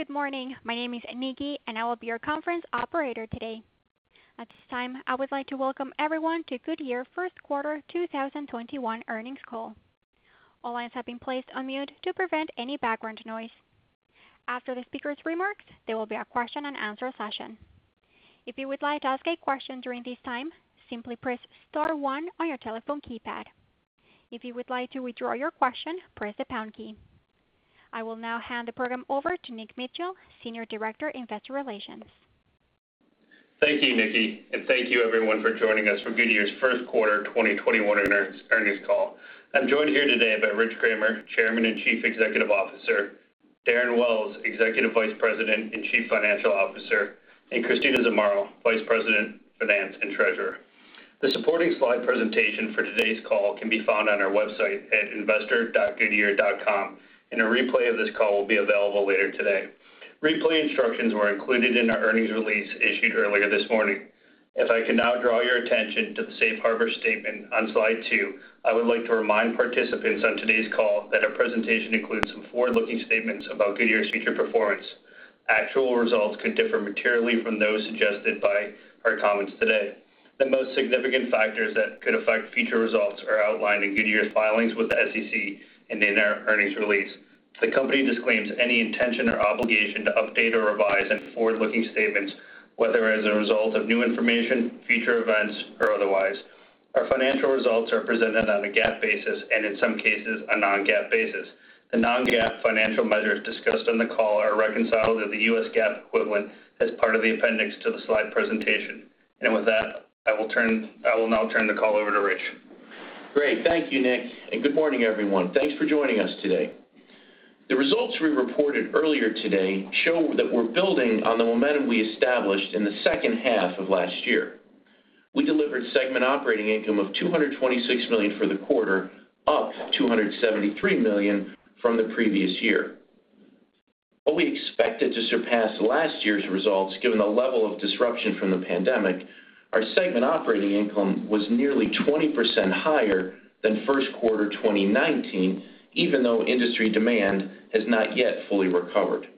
Good morning. My name is Nikki, and I will be your conference operator today. At this time, I would like to welcome everyone to Goodyear first quarter 2021 earnings call. All lines have been placed on mute to prevent any background noise. After the speaker's remarks, there will be a question and answer session. If you would like to ask a question during this time, simply press star one on your telephone keypad. If you would like to withdraw your question, press the pound key. I will now hand the program over to Nick Mitchell, Senior Director, Investor Relations. Thank you, Nikki, and thank you everyone for joining us for Goodyear's first quarter 2021 earnings call. I'm joined here today by Rich Kramer, Chairman and Chief Executive Officer, Darren Wells, Executive Vice President and Chief Financial Officer, and Christina Zamarro, Vice President, Finance and Treasurer. The supporting slide presentation for today's call can be found on our website at investor.goodyear.com, and a replay of this call will be available later today. Replay instructions were included in our earnings release issued earlier this morning. If I could now draw your attention to the safe harbor statement on slide two, I would like to remind participants on today's call that our presentation includes some forward-looking statements about Goodyear's future performance. Actual results could differ materially from those suggested by our comments today. The most significant factors that could affect future results are outlined in Goodyear's filings with the SEC and in our earnings release. The company disclaims any intention or obligation to update or revise any forward-looking statements, whether as a result of new information, future events, or otherwise. Our financial results are presented on a GAAP basis and, in some cases, a non-GAAP basis. The non-GAAP financial measures discussed on the call are reconciled to the U.S. GAAP equivalent as part of the appendix to the slide presentation. With that, I will now turn the call over to Rich. Great. Thank you, Nick. Good morning, everyone. Thanks for joining us today. The results we reported earlier today show that we're building on the momentum we established in the second half of last year. We delivered Segment Operating Income of $226 million for the quarter, up $273 million from the previous year. While we expected to surpass last year's results given the level of disruption from the pandemic, our Segment Operating Income was nearly 20% higher than first quarter 2019, even though industry demand has not yet fully recovered.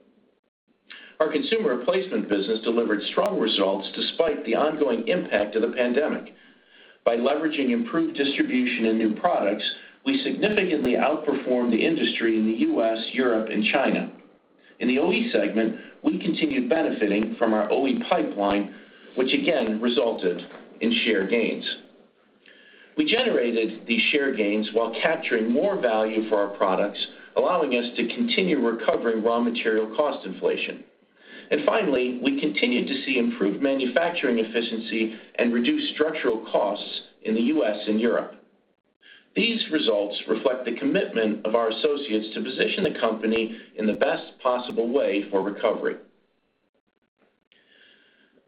Our consumer replacement business delivered strong results despite the ongoing impact of the pandemic. By leveraging improved distribution and new products, we significantly outperformed the industry in the U.S., Europe, and China. In the OE segment, we continued benefiting from our OE pipeline, which again resulted in share gains. We generated these share gains while capturing more value for our products, allowing us to continue recovering raw material cost inflation. Finally, we continued to see improved manufacturing efficiency and reduced structural costs in the U.S. and Europe. These results reflect the commitment of our associates to position the company in the best possible way for recovery.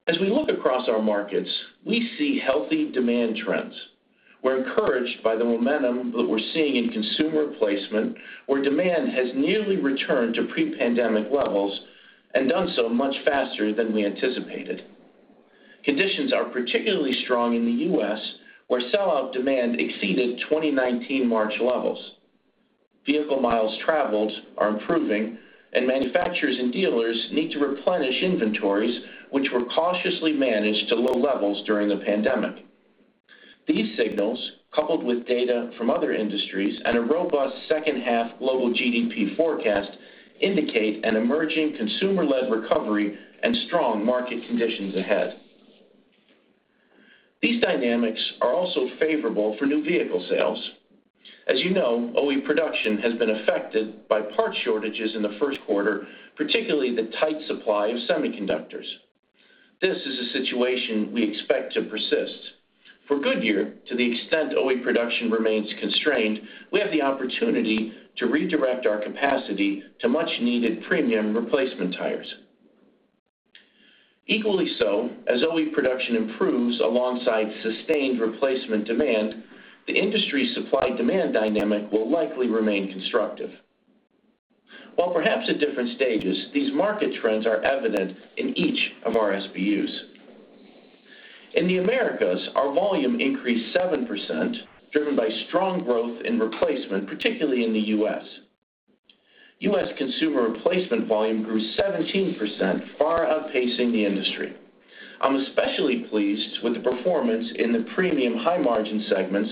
As we look across our markets, we see healthy demand trends. We're encouraged by the momentum that we're seeing in consumer replacement, where demand has nearly returned to pre-pandemic levels and done so much faster than we anticipated. Conditions are particularly strong in the U.S., where sell-out demand exceeded 2019 March levels. Vehicle miles traveled are improving, and manufacturers and dealers need to replenish inventories, which were cautiously managed to low levels during the pandemic. These signals, coupled with data from other industries and a robust second half global GDP forecast, indicate an emerging consumer-led recovery and strong market conditions ahead. These dynamics are also favorable for new vehicle sales. As you know, OE production has been affected by part shortages in the first quarter, particularly the tight supply of semiconductors. This is a situation we expect to persist. For Goodyear, to the extent OE production remains constrained, we have the opportunity to redirect our capacity to much-needed premium replacement tires. Equally so, as OE production improves alongside sustained replacement demand, the industry supply-demand dynamic will likely remain constructive. While perhaps at different stages, these market trends are evident in each of our SBUs. In the Americas, our volume increased 7%, driven by strong growth in replacement, particularly in the U.S. U.S. consumer replacement volume grew 17%, far outpacing the industry. I'm especially pleased with the performance in the premium high-margin segments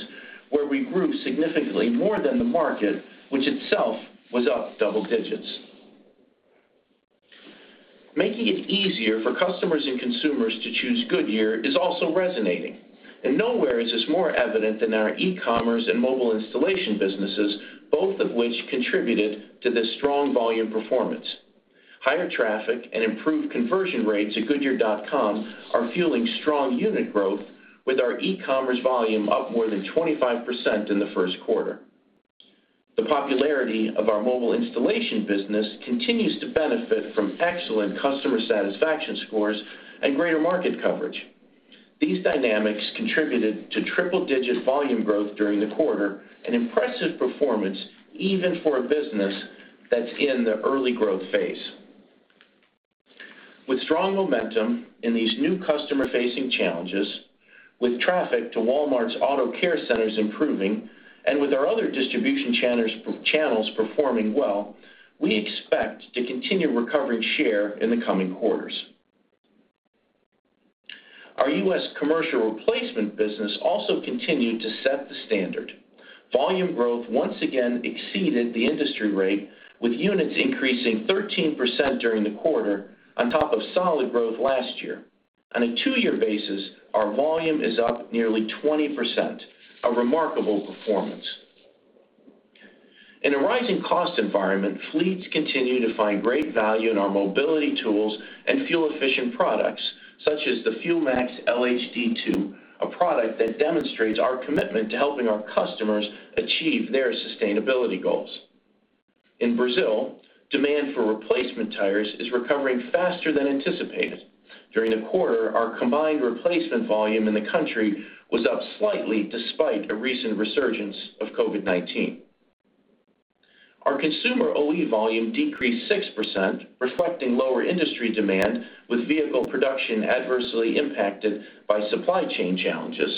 where we grew significantly more than the market, which itself was up double digits. Making it easier for customers and consumers to choose Goodyear is also resonating, and nowhere is this more evident than our e-commerce and mobile installation businesses, both of which contributed to this strong volume performance. Higher traffic and improved conversion rates at goodyear.com are fueling strong unit growth with our e-commerce volume up more than 25% in the first quarter. The popularity of our mobile installation business continues to benefit from excellent customer satisfaction scores and greater market coverage. These dynamics contributed to triple-digit volume growth during the quarter, an impressive performance even for a business that's in the early growth phase. With strong momentum in these new customer-facing channels, with traffic to Walmart's Auto Care Centers improving, and with our other distribution channels performing well, we expect to continue recovering share in the coming quarters. Our U.S. commercial replacement business also continued to set the standard. Volume growth once again exceeded the industry rate, with units increasing 13% during the quarter on top of solid growth last year. On a two-year basis, our volume is up nearly 20%, a remarkable performance. In a rising cost environment, fleets continue to find great value in our mobility tools and fuel-efficient products, such as the Fuel Max LHD 2, a product that demonstrates our commitment to helping our customers achieve their sustainability goals. In Brazil, demand for replacement tires is recovering faster than anticipated. During the quarter, our combined replacement volume in the country was up slightly despite a recent resurgence of COVID-19. Our consumer OE volume decreased 6%, reflecting lower industry demand, with vehicle production adversely impacted by supply chain challenges.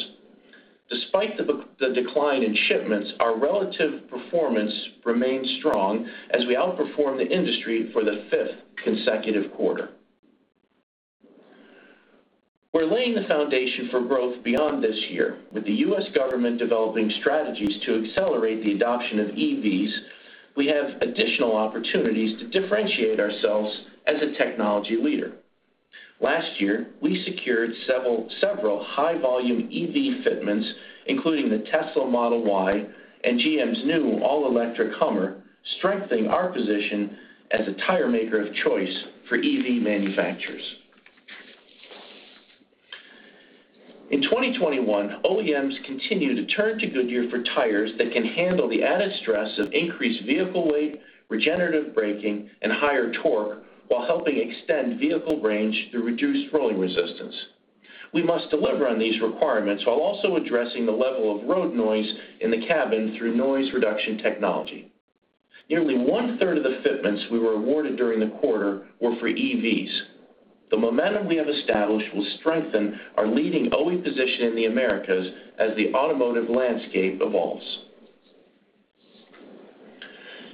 Despite the decline in shipments, our relative performance remains strong as we outperform the industry for the fifth consecutive quarter. We're laying the foundation for growth beyond this year. With the U.S. government developing strategies to accelerate the adoption of EVs, we have additional opportunities to differentiate ourselves as a technology leader. Last year, we secured several high-volume EV fitments, including the Tesla Model Y and GM's new all-electric Hummer, strengthening our position as a tire maker of choice for EV manufacturers. In 2021, OEMs continue to turn to Goodyear for tires that can handle the added stress of increased vehicle weight, regenerative braking, and higher torque while helping extend vehicle range through reduced rolling resistance. We must deliver on these requirements while also addressing the level of road noise in the cabin through noise reduction technology. Nearly 1/3 of the fitments we were awarded during the quarter were for EVs. The momentum we have established will strengthen our leading OE position in the Americas as the automotive landscape evolves.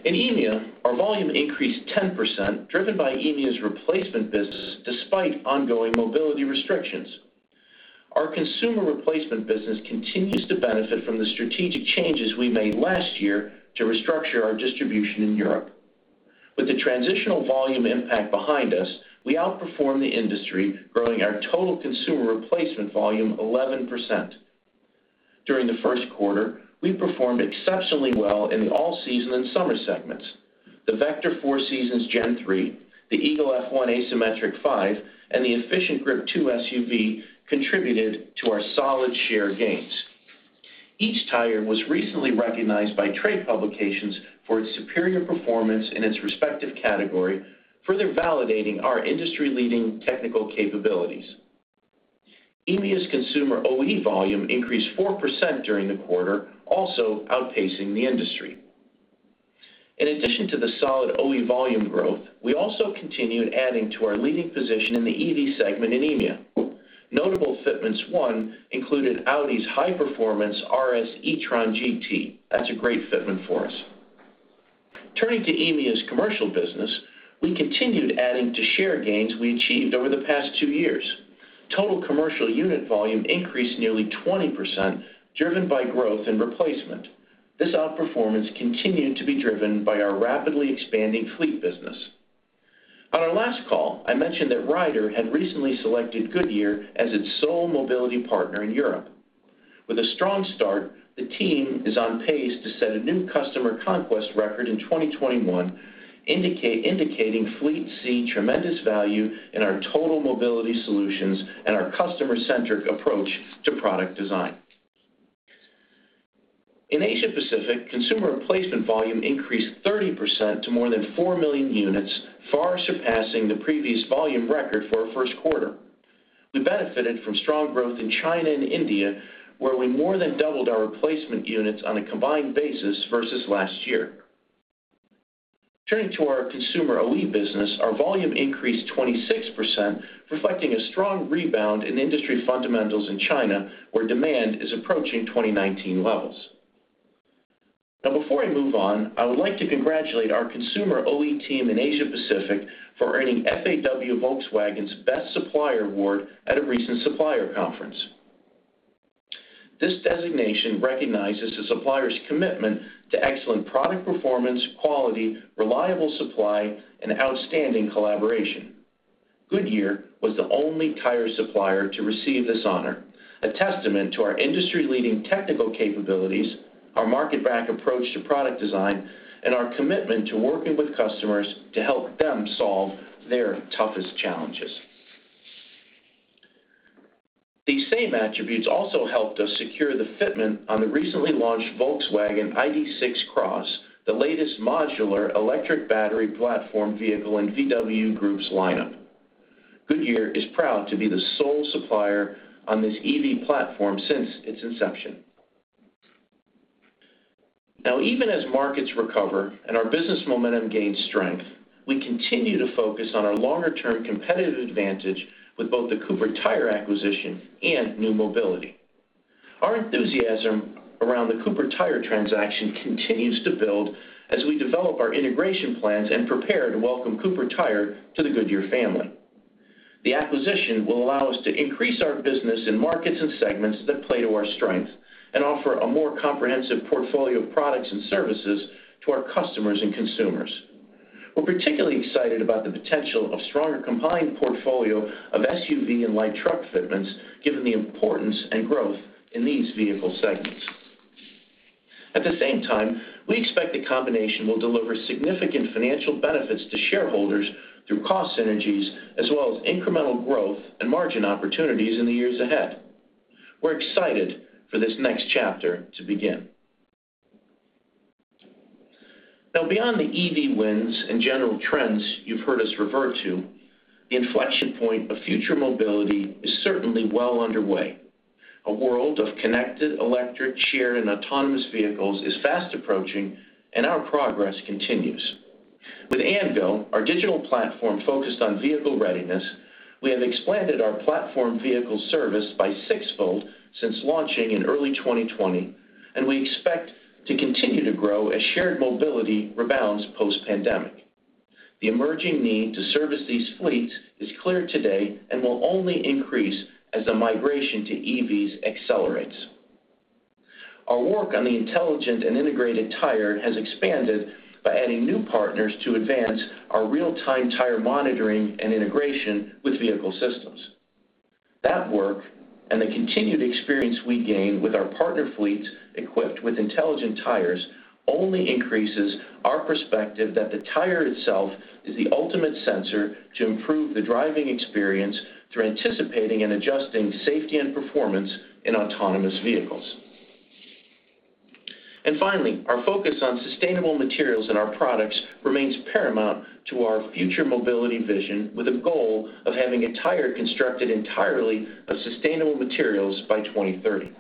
In EMEA, our volume increased 10%, driven by EMEA's replacement business despite ongoing mobility restrictions. Our consumer replacement business continues to benefit from the strategic changes we made last year to restructure our distribution in Europe. With the transitional volume impact behind us, we outperformed the industry, growing our total consumer replacement volume 11%. During the first quarter, we performed exceptionally well in the all-season and summer segments. The Vector 4Seasons Gen-3, the Eagle F1 Asymmetric 5, and the EfficientGrip 2 SUV contributed to our solid share gains. Each tire was recently recognized by trade publications for its superior performance in its respective category, further validating our industry-leading technical capabilities. EMEA's consumer OE volume increased 4% during the quarter, also outpacing the industry. In addition to the solid OE volume growth, we also continued adding to our leading position in the EV segment in EMEA. Notable fitments won included Audi's high-performance RS e-tron GT. That's a great fitment for us. Turning to EMEA's commercial business, we continued adding to share gains we achieved over the past two years. Total commercial unit volume increased nearly 20%, driven by growth in replacement. This outperformance continued to be driven by our rapidly expanding fleet business. On our last call, I mentioned that Ryder had recently selected Goodyear as its sole mobility partner in Europe. With a strong start, the team is on pace to set a new customer conquest record in 2021, indicating fleets see tremendous value in our total mobility solutions and our customer-centric approach to product design. In Asia Pacific, consumer replacement volume increased 30% to more than 4 million units, far surpassing the previous volume record for a first quarter. We benefited from strong growth in China and India, where we more than doubled our replacement units on a combined basis versus last year. Turning to our consumer OE business, our volume increased 26%, reflecting a strong rebound in industry fundamentals in China, where demand is approaching 2019 levels. Now, before I move on, I would like to congratulate our consumer OE team in Asia Pacific for earning FAW-Volkswagen's Best Supplier Award at a recent supplier conference. This designation recognizes the supplier's commitment to excellent product performance, quality, reliable supply, and outstanding collaboration. Goodyear was the only tire supplier to receive this honor, a testament to our industry-leading technical capabilities, our market-back approach to product design, and our commitment to working with customers to help them solve their toughest challenges. These same attributes also helped us secure the fitment on the recently launched Volkswagen ID.6 CROZZ, the latest modular electric battery platform vehicle in VW Group's lineup. Goodyear is proud to be the sole supplier on this EV platform since its inception. Even as markets recover and our business momentum gains strength, we continue to focus on our longer-term competitive advantage with both the Cooper Tire acquisition and new mobility. Our enthusiasm around the Cooper Tire transaction continues to build as we develop our integration plans and prepare to welcome Cooper Tire to the Goodyear family. The acquisition will allow us to increase our business in markets and segments that play to our strengths and offer a more comprehensive portfolio of products and services to our customers and consumers. We're particularly excited about the potential of stronger combined portfolio of SUV and light truck fitments, given the importance and growth in these vehicle segments. At the same time, we expect the combination will deliver significant financial benefits to shareholders through cost synergies as well as incremental growth and margin opportunities in the years ahead. We're excited for this next chapter to begin. Beyond the EV wins and general trends you've heard us refer to, the inflection point of future mobility is certainly well underway. A world of connected, electric, shared, and autonomous vehicles is fast approaching, and our progress continues. With AndGo, our digital platform focused on vehicle readiness, we have expanded our platform vehicle service by sixfold since launching in early 2020, and we expect to continue to grow as shared mobility rebounds post-pandemic. The emerging need to service these fleets is clear today and will only increase as the migration to EVs accelerates. Our work on the intelligent and integrated tire has expanded by adding new partners to advance our real-time tire monitoring and integration with vehicle systems. That work, and the continued experience we gain with our partner fleets equipped with intelligent tires, only increases our perspective that the tire itself is the ultimate sensor to improve the driving experience through anticipating and adjusting safety and performance in autonomous vehicles. Finally, our focus on sustainable materials in our products remains paramount to our future mobility vision with a goal of having a tire constructed entirely of sustainable materials by 2030.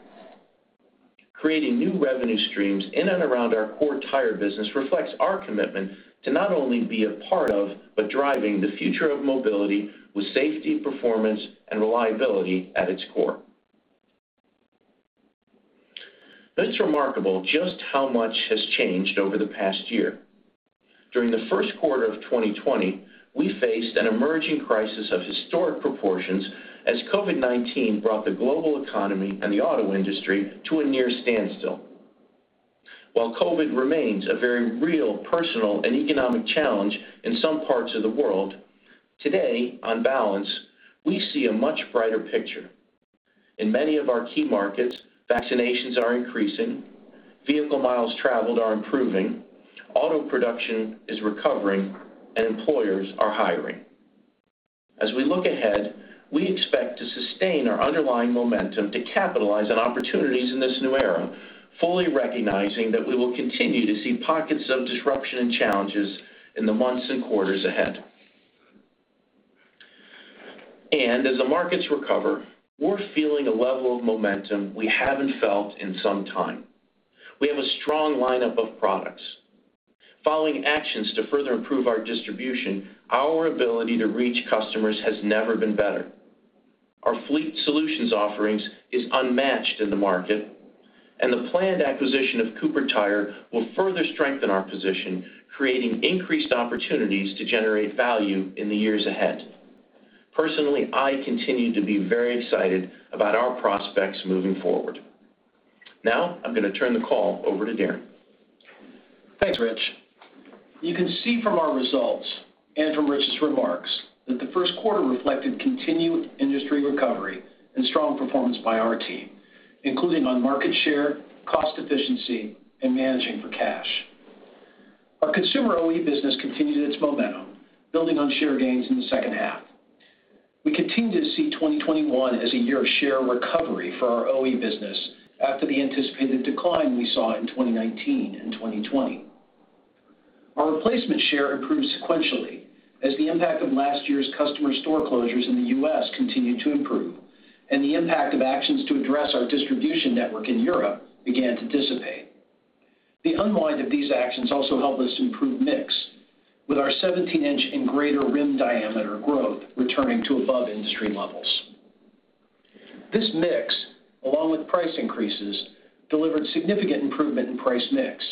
Creating new revenue streams in and around our core tire business reflects our commitment to not only be a part of, but driving the future of mobility with safety, performance, and reliability at its core. It's remarkable just how much has changed over the past year. During the first quarter of 2020, we faced an emerging crisis of historic proportions as COVID-19 brought the global economy and the auto industry to a near standstill. While COVID remains a very real, personal, and economic challenge in some parts of the world, today, on balance, we see a much brighter picture. In many of our key markets, vaccinations are increasing, vehicle miles traveled are improving, auto production is recovering, and employers are hiring. As we look ahead, we expect to sustain our underlying momentum to capitalize on opportunities in this new era, fully recognizing that we will continue to see pockets of disruption and challenges in the months and quarters ahead. As the markets recover, we're feeling a level of momentum we haven't felt in some time. We have a strong lineup of products. Following actions to further improve our distribution, our ability to reach customers has never been better. Our fleet solutions offerings is unmatched in the market, and the planned acquisition of Cooper Tire will further strengthen our position, creating increased opportunities to generate value in the years ahead. Personally, I continue to be very excited about our prospects moving forward. Now, I'm going to turn the call over to Darren. Thanks, Rich. You can see from our results, and from Rich's remarks, that the first quarter reflected continued industry recovery and strong performance by our team, including on market share, cost efficiency, and managing for cash. Our consumer OE business continued its momentum, building on share gains in the second half. We continue to see 2021 as a year of share recovery for our OE business after the anticipated decline we saw in 2019 and 2020. Our replacement share improved sequentially as the impact of last year's customer store closures in the U.S. continued to improve and the impact of actions to address our distribution network in Europe began to dissipate. The unwind of these actions also helped us improve mix, with our 17 in and greater rim diameter growth returning to above industry levels. This mix, along with price increases, delivered significant improvement in price mix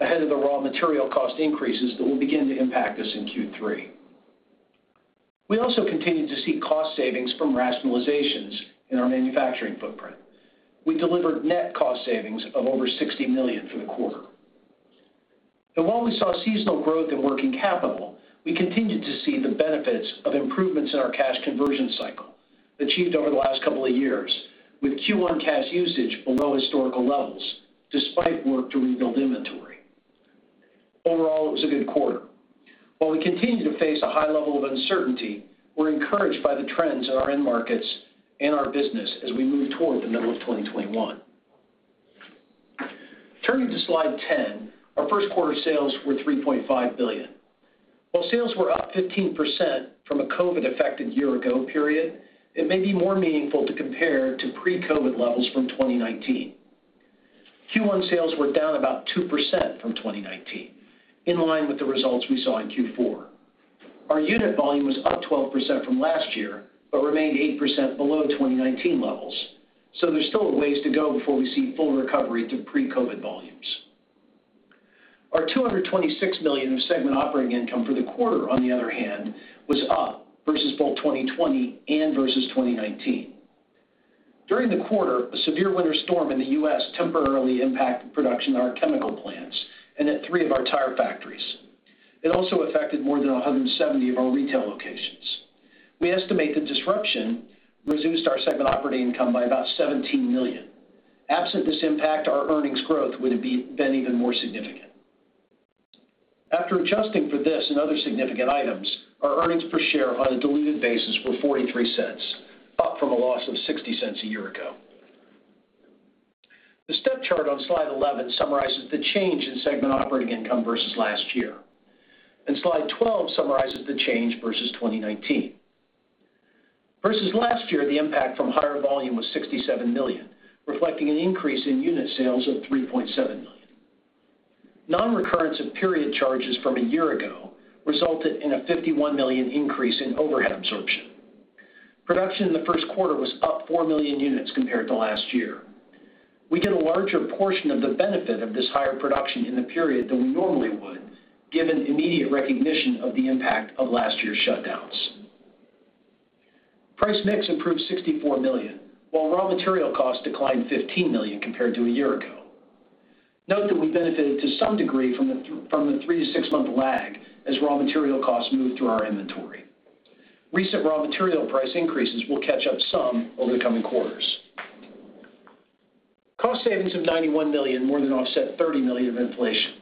ahead of the raw material cost increases that will begin to impact us in Q3. We also continued to see cost savings from rationalizations in our manufacturing footprint. We delivered net cost savings of over $60 million for the quarter. While we saw seasonal growth in working capital, we continued to see the benefits of improvements in our cash conversion cycle, achieved over the last couple of years, with Q1 cash usage below historical levels, despite work to rebuild inventory. Overall, it was a good quarter. While we continue to face a high level of uncertainty, we're encouraged by the trends in our end markets and our business as we move toward the middle of 2021. Turning to slide 10, our first quarter sales were $3.5 billion. While sales were up 15% from a COVID-19-affected year ago period, it may be more meaningful to compare to pre-COVID-19 levels from 2019. Q1 sales were down about 2% from 2019, in line with the results we saw in Q4. Our unit volume was up 12% from last year but remained 8% below 2019 levels. There's still a ways to go before we see full recovery to pre-COVID-19 volumes. Our $226 million of Segment Operating Income for the quarter, on the other hand, was up versus both 2020 and versus 2019. During the quarter, a severe winter storm in the U.S. temporarily impacted production at our chemical plants and at three of our tire factories. It also affected more than 170 of our retail locations. We estimate the disruption reduced our Segment Operating Income by about $17 million. Absent this impact, our earnings growth would have been even more significant. After adjusting for this and other significant items, our earnings per share on a diluted basis were $0.43, up from a loss of $0.60 a year ago. The step chart on slide 11 summarizes the change in Segment Operating Income versus last year, and slide 12 summarizes the change versus 2019. Versus last year, the impact from higher volume was $67 million, reflecting an increase in unit sales of 3.7 million. Non-recurrence of period charges from a year ago resulted in a $51 million increase in overhead absorption. Production in the first quarter was up 4 million units compared to last year. We get a larger portion of the benefit of this higher production in the period than we normally would, given immediate recognition of the impact of last year's shutdowns. Price mix improved $64 million, while raw material costs declined $15 million compared to a year ago. Note that we benefited to some degree from the three-six month lag as raw material costs moved through our inventory. Recent raw material price increases will catch up some over the coming quarters. Cost savings of $91 million more than offset $30 million of inflation.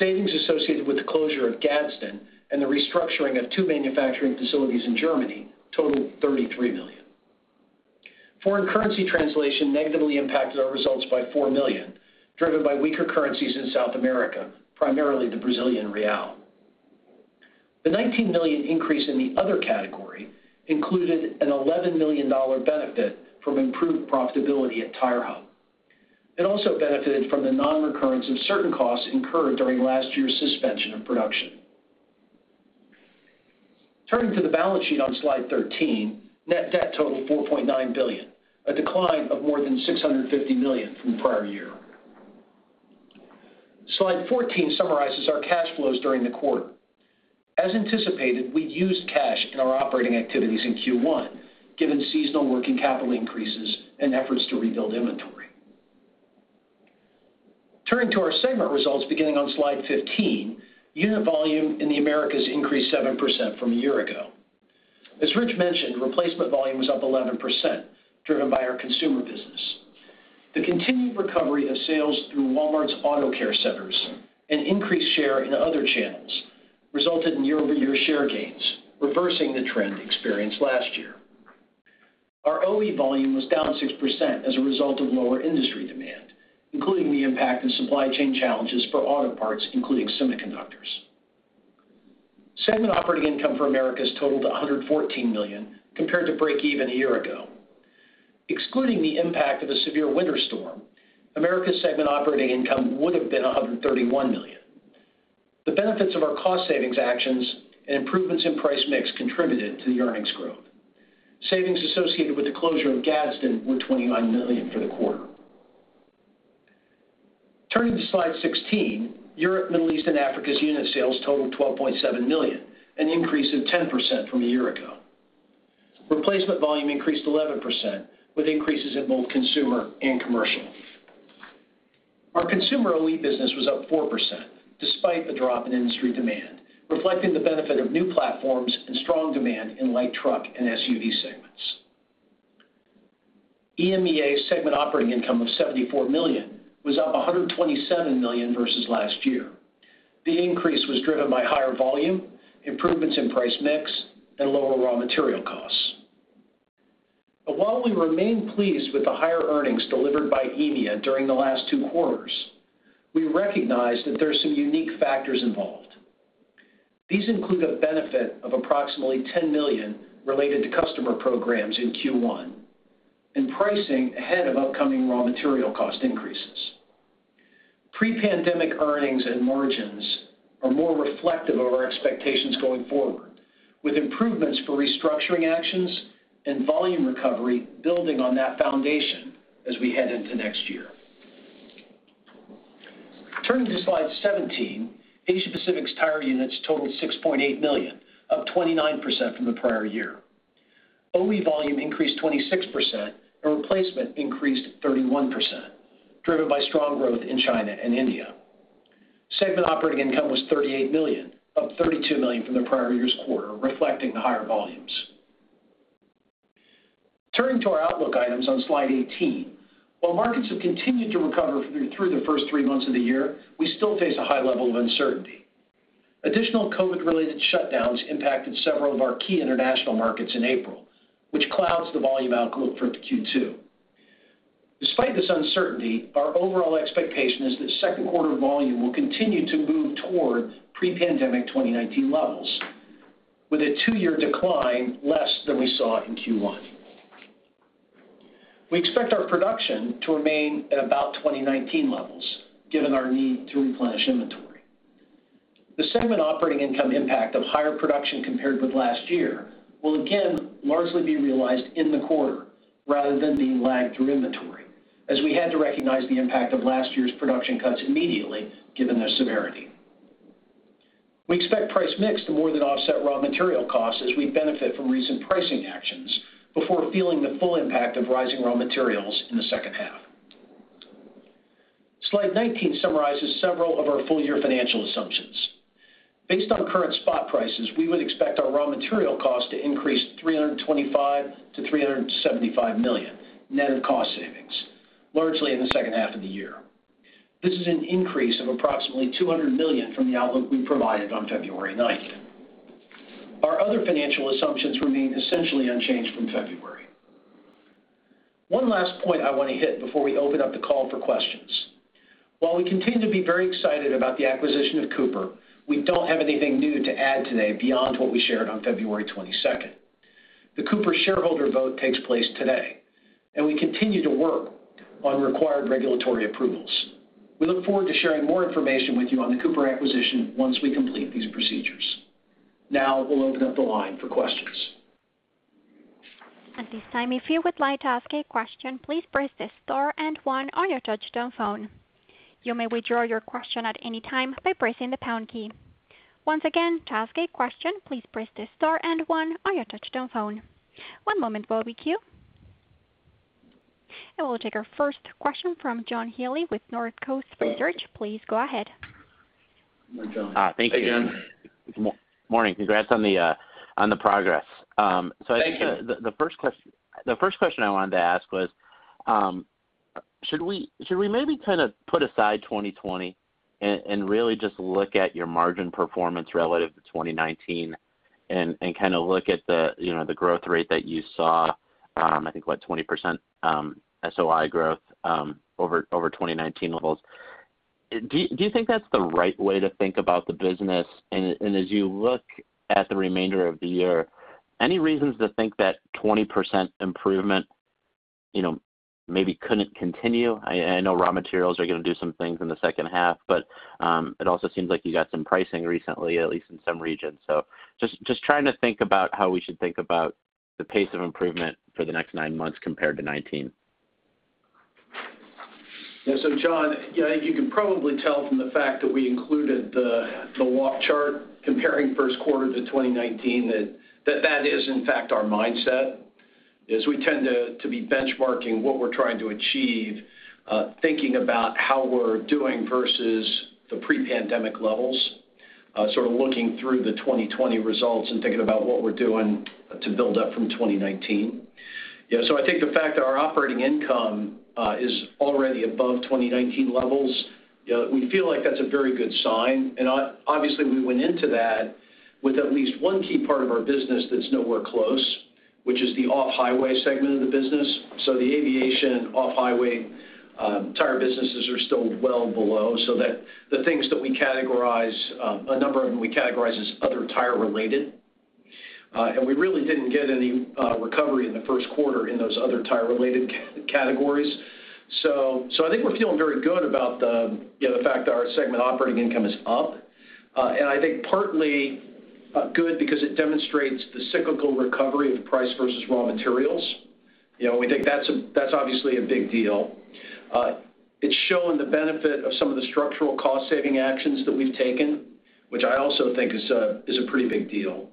Savings associated with the closure of Gadsden and the restructuring of two manufacturing facilities in Germany totaled $33 million. Foreign currency translation negatively impacted our results by $4 million, driven by weaker currencies in South America, primarily the Brazilian real. The $19 million increase in the other category included an $11 million benefit from improved profitability at TireHub. It also benefited from the non-recurrence of certain costs incurred during last year's suspension of production. Turning to the balance sheet on slide 13, net debt totaled $4.9 billion, a decline of more than $650 million from the prior year. Slide 14 summarizes our cash flows during the quarter. As anticipated, we used cash in our operating activities in Q1, given seasonal working capital increases and efforts to rebuild inventory. Turning to our segment results beginning on slide 15, unit volume in the Americas increased 7% from a year ago. As Rich mentioned, replacement volume was up 11%, driven by our consumer business. The continued recovery of sales through Walmart's Auto Care Centers and increased share in other channels resulted in year-over-year share gains, reversing the trend experienced last year. Our OE volume was down 6% as a result of lower industry demand, including the impact of supply chain challenges for auto parts, including semiconductors. Segment Operating Income for Americas totaled $114 million compared to break even a year ago. Excluding the impact of the severe winter storm, Americas Segment Operating Income would have been $131 million. The benefits of our cost savings actions and improvements in price mix contributed to the earnings growth. Savings associated with the closure of Gadsden were $29 million for the quarter. Turning to slide 16, Europe, Middle East, and Africa's unit sales totaled 12.7 million, an increase of 10% from a year ago. Replacement volume increased 11%, with increases in both consumer and commercial. Our consumer OE business was up 4%, despite the drop in industry demand, reflecting the benefit of new platforms and strong demand in light truck and SUV segments. EMEA Segment Operating Income of $74 million was up $127 million versus last year. The increase was driven by higher volume, improvements in price mix, and lower raw material costs. While we remain pleased with the higher earnings delivered by EMEA during the last two quarters, we recognize that there's some unique factors involved. These include a benefit of approximately $10 million related to customer programs in Q1 and pricing ahead of upcoming raw material cost increases. Pre-pandemic earnings and margins are more reflective of our expectations going forward, with improvements for restructuring actions and volume recovery building on that foundation as we head into next year. Turning to slide 17, Asia-Pacific's tire units totaled 6.8 million, up 29% from the prior year. OE volume increased 26% and replacement increased 31%, driven by strong growth in China and India. Segment Operating Income was $38 million, up $32 million from the prior year's quarter, reflecting the higher volumes. Turning to our outlook items on slide 18, while markets have continued to recover through the first three months of the year, we still face a high level of uncertainty. Additional COVID-related shutdowns impacted several of our key international markets in April, which clouds the volume outlook for Q2. Despite this uncertainty, our overall expectation is that second quarter volume will continue to move towards pre-pandemic 2019 levels with a two-year decline less than we saw in Q1. We expect our production to remain at about 2019 levels, given our need to replenish inventory. The Segment Operating Income impact of higher production compared with last year will again largely be realized in the quarter rather than being lagged through inventory, as we had to recognize the impact of last year's production cuts immediately, given their severity. We expect price mix to more than offset raw material costs as we benefit from recent pricing actions before feeling the full impact of rising raw materials in the second half. Slide 19 summarizes several of our full-year financial assumptions. Based on current spot prices, we would expect our raw material cost to increase $325 million-$375 million net of cost savings, largely in the second half of the year. This is an increase of approximately $200 million from the outlook we provided on February 9th. Our other financial assumptions remain essentially unchanged from February. One last point I want to hit before we open up the call for questions. While we continue to be very excited about the acquisition of Cooper, we don't have anything new to add today beyond what we shared on February 22nd. The Cooper shareholder vote takes place today, and we continue to work on required regulatory approvals. We look forward to sharing more information with you on the Cooper acquisition once we complete these procedures. Now, we'll open up the line for questions. At this time if you would like to ask a question, please press star and one on your touchtone phone. You may withdraw your question at anytime by pressing the pound key. Once again, to ask a question, please press the star and one on your touchtone phone. One moment while we queue. We'll take our first question from John Healy with Northcoast Research. Please go ahead. Hi. Thanks again. Morning. Congrats on the progress. Thank you. The first question I wanted to ask was, should we maybe kind of put aside 2020 and really just look at your margin performance relative to 2019 and kind of look at the growth rate that you saw, I think what, 20% SOI growth over 2019 levels? Do you think that's the right way to think about the business? As you look at the remainder of the year, any reasons to think that 20% improvement maybe couldn't continue? I know raw materials are going to do some things in the second half, but it also seems like you got some pricing recently, at least in some regions. Just trying to think about how we should think about the pace of improvement for the next nine months compared to 2019. John, I think you can probably tell from the fact that we included the walk chart comparing first quarter to 2019 that that is in fact our mindset, is we tend to be benchmarking what we're trying to achieve, thinking about how we're doing versus the pre-pandemic levels, sort of looking through the 2020 results and thinking about what we're doing to build up from 2019. I think the fact that our operating income is already above 2019 levels, we feel like that's a very good sign. Obviously we went into that with at least one key part of our business that's nowhere close, which is the off-highway segment of the business. The aviation off-highway tire businesses are still well below, so that the things that we categorize, a number of them we categorize as other tire-related. We really didn't get any recovery in the first quarter in those other tire-related categories. I think we're feeling very good about the fact that our Segment Operating Income is up. I think partly good because it demonstrates the cyclical recovery of price versus raw materials. We think that's obviously a big deal. It's shown the benefit of some of the structural cost-saving actions that we've taken, which I also think is a pretty big deal.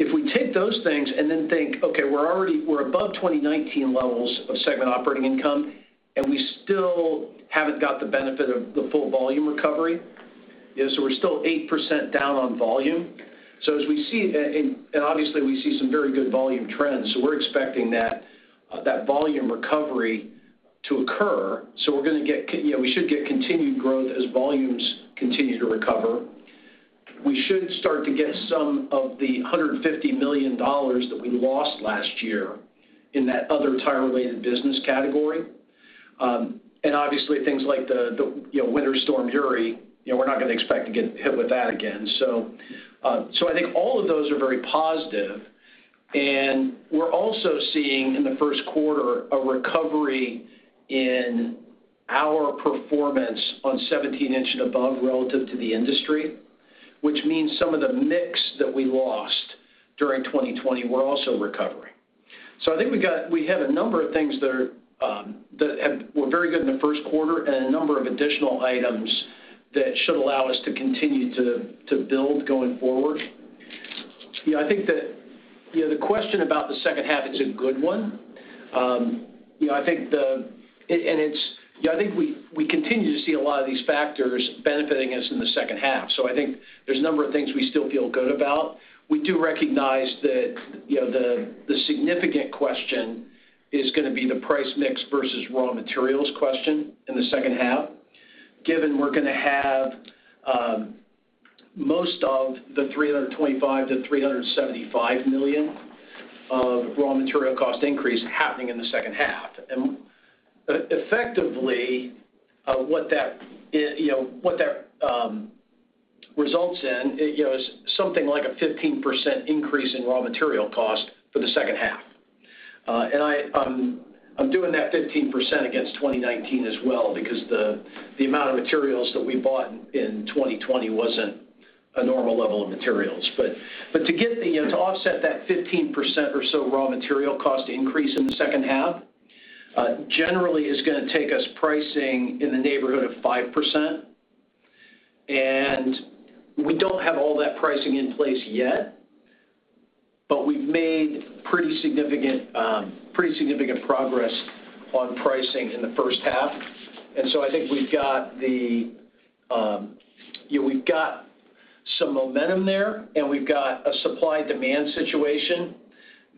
If we take those things and then think, okay, we're above 2019 levels of Segment Operating Income, we still haven't got the benefit of the full volume recovery. We're still 8% down on volume. Obviously we see some very good volume trends, we're expecting that volume recovery to occur. We should get continued growth as volumes continue to recover. We should start to get some of the $150 million that we lost last year in that other tire-related business category. Obviously things like the Winter Storm Uri, we're not going to expect to get hit with that again. I think all of those are very positive. We're also seeing in the first quarter a recovery in our performance on 17 in and above relative to the industry, which means some of the mix that we lost during 2020, we're also recovering. I think we have a number of things that were very good in the first quarter and a number of additional items that should allow us to continue to build going forward. Yeah, I think the question about the second half is a good one. Yeah, I think we continue to see a lot of these factors benefiting us in the second half. I think there's a number of things we still feel good about. We do recognize that the significant question is going to be the price mix versus raw materials question in the second half, given we're going to have most of the $325 million-$375 million of raw material cost increase happening in the second half. Effectively, what that results in is something like a 15% increase in raw material cost for the second half. I'm doing that 15% against 2019 as well, because the amount of materials that we bought in 2020 wasn't a normal level of materials. To offset that 15% or so raw material cost increase in the second half, generally is going to take us pricing in the neighborhood of 5%. We don't have all that pricing in place yet, but we've made pretty significant progress on pricing in the first half. I think we've got some momentum there, and we've got a supply-demand situation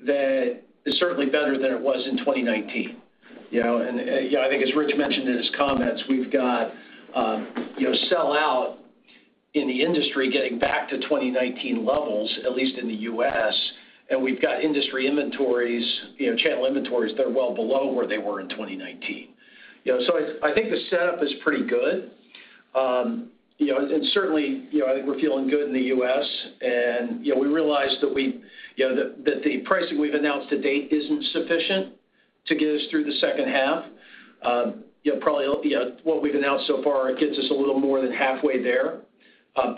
that is certainly better than it was in 2019. I think as Rich mentioned in his comments, we've got sellout in the industry getting back to 2019 levels, at least in the U.S. We've got industry inventories, channel inventories that are well below where they were in 2019. I think the setup is pretty good. Certainly, I think we're feeling good in the U.S., and we realize that the pricing we've announced to date isn't sufficient to get us through the second half. Probably what we've announced so far gets us a little more than halfway there.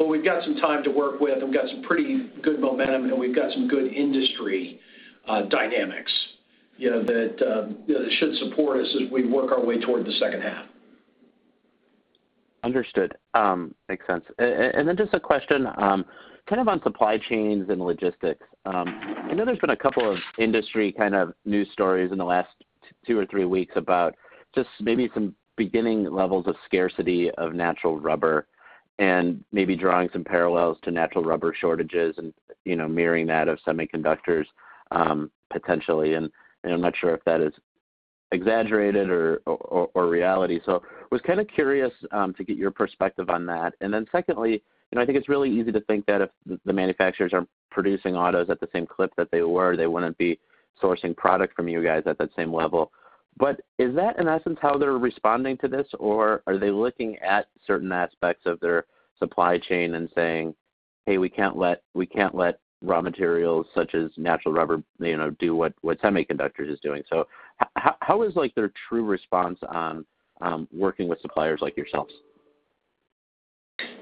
We've got some time to work with, and we've got some pretty good momentum, and we've got some good industry dynamics that should support us as we work our way toward the second half. Understood. Makes sense. Just a question, kind of on supply chains and logistics. I know there's been a couple of industry news stories in the last two or three weeks about just maybe some beginning levels of scarcity of natural rubber, and maybe drawing some parallels to natural rubber shortages and mirroring that of semiconductors potentially. I'm not sure if that is exaggerated or reality. I was kind of curious to get your perspective on that. Secondly, I think it's really easy to think that if the manufacturers aren't producing autos at the same clip that they were, they wouldn't be sourcing product from you guys at that same level. Is that, in essence, how they're responding to this? Are they looking at certain aspects of their supply chain and saying, "Hey, we can't let raw materials such as natural rubber do what semiconductors is doing"? How is their true response on working with suppliers like yourselves?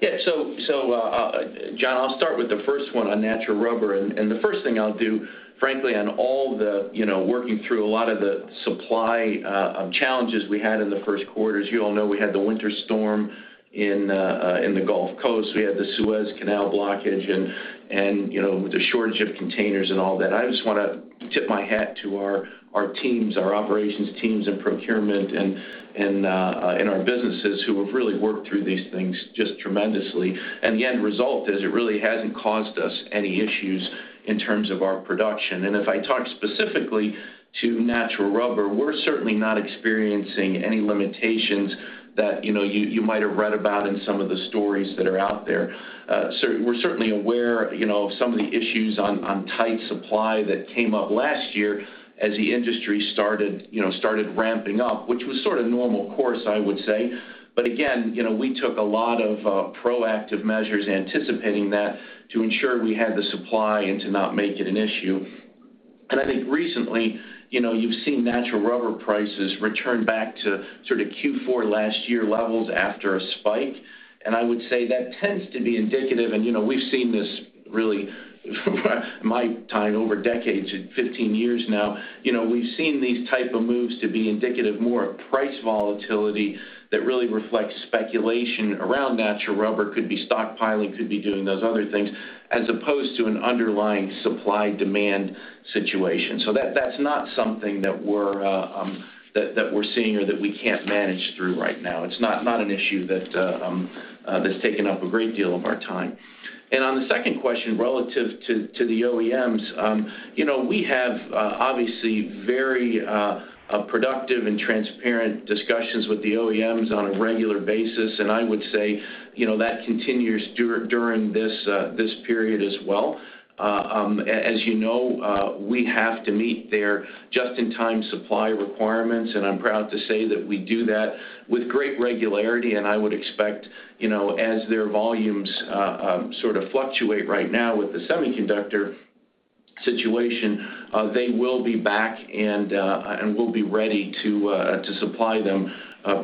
John, I'll start with the first one on natural rubber. The first thing I'll do, frankly, on all the working through a lot of the supply challenges we had in the first quarter, as you all know, we had the winter storm in the Gulf Coast, we had the Suez Canal blockage, and the shortage of containers and all that. I just want to tip my hat to our teams, our operations teams, and procurement, and our businesses who have really worked through these things just tremendously. The end result is it really hasn't caused us any issues in terms of our production. If I talk specifically to natural rubber, we're certainly not experiencing any limitations that you might have read about in some of the stories that are out there. We're certainly aware of some of the issues on tight supply that came up last year as the industry started ramping up, which was sort of normal course, I would say. Again, we took a lot of proactive measures anticipating that to ensure we had the supply and to not make it an issue. I think recently, you've seen natural rubber prices return back to Q4 last year levels after a spike. I would say that tends to be indicative, and we've seen this really my time over decades, 15 years now. We've seen these type of moves to be indicative more of price volatility that really reflects speculation around natural rubber, could be stockpiling, could be doing those other things, as opposed to an underlying supply-demand situation. That's not something that we're seeing or that we can't manage through right now. It's not an issue that's taken up a great deal of our time. On the second question, relative to the OEMs, we have obviously very productive and transparent discussions with the OEMs on a regular basis. I would say that continues during this period as well. As you know, we have to meet their just-in-time supply requirements, and I'm proud to say that we do that with great regularity. I would expect as their volumes sort of fluctuate right now with the semiconductor situation, they will be back and we'll be ready to supply them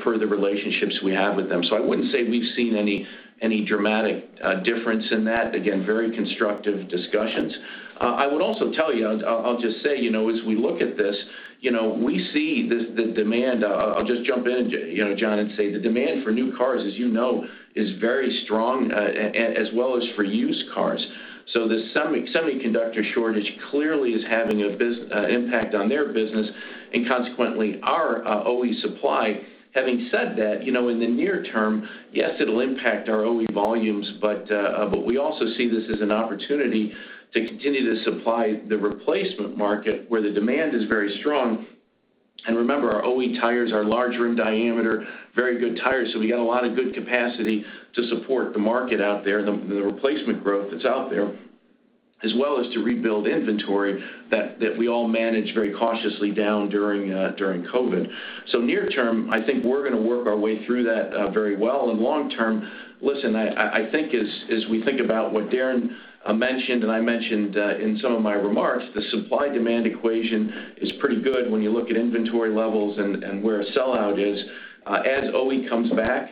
per the relationships we have with them. I wouldn't say we've seen any dramatic difference in that. Again, very constructive discussions. I would also tell you, I'll just say, as we look at this, we see the demand. I'll just jump in, John, and say the demand for new cars, as you know, is very strong, as well as for used cars. The semiconductor shortage clearly is having an impact on their business and consequently our OE supply. Having said that, in the near term, yes, it'll impact our OE volumes, but we also see this as an opportunity to continue to supply the replacement market where the demand is very strong. Remember, our OE tires are large rim diameter, very good tires. We got a lot of good capacity to support the market out there, the replacement growth that's out there, as well as to rebuild inventory that we all managed very cautiously down during COVID. Near term, I think we're going to work our way through that very well. Long term, listen, I think as we think about what Darren mentioned and I mentioned in some of my remarks, the supply-demand equation is pretty good when you look at inventory levels and where a sellout is. As OE comes back,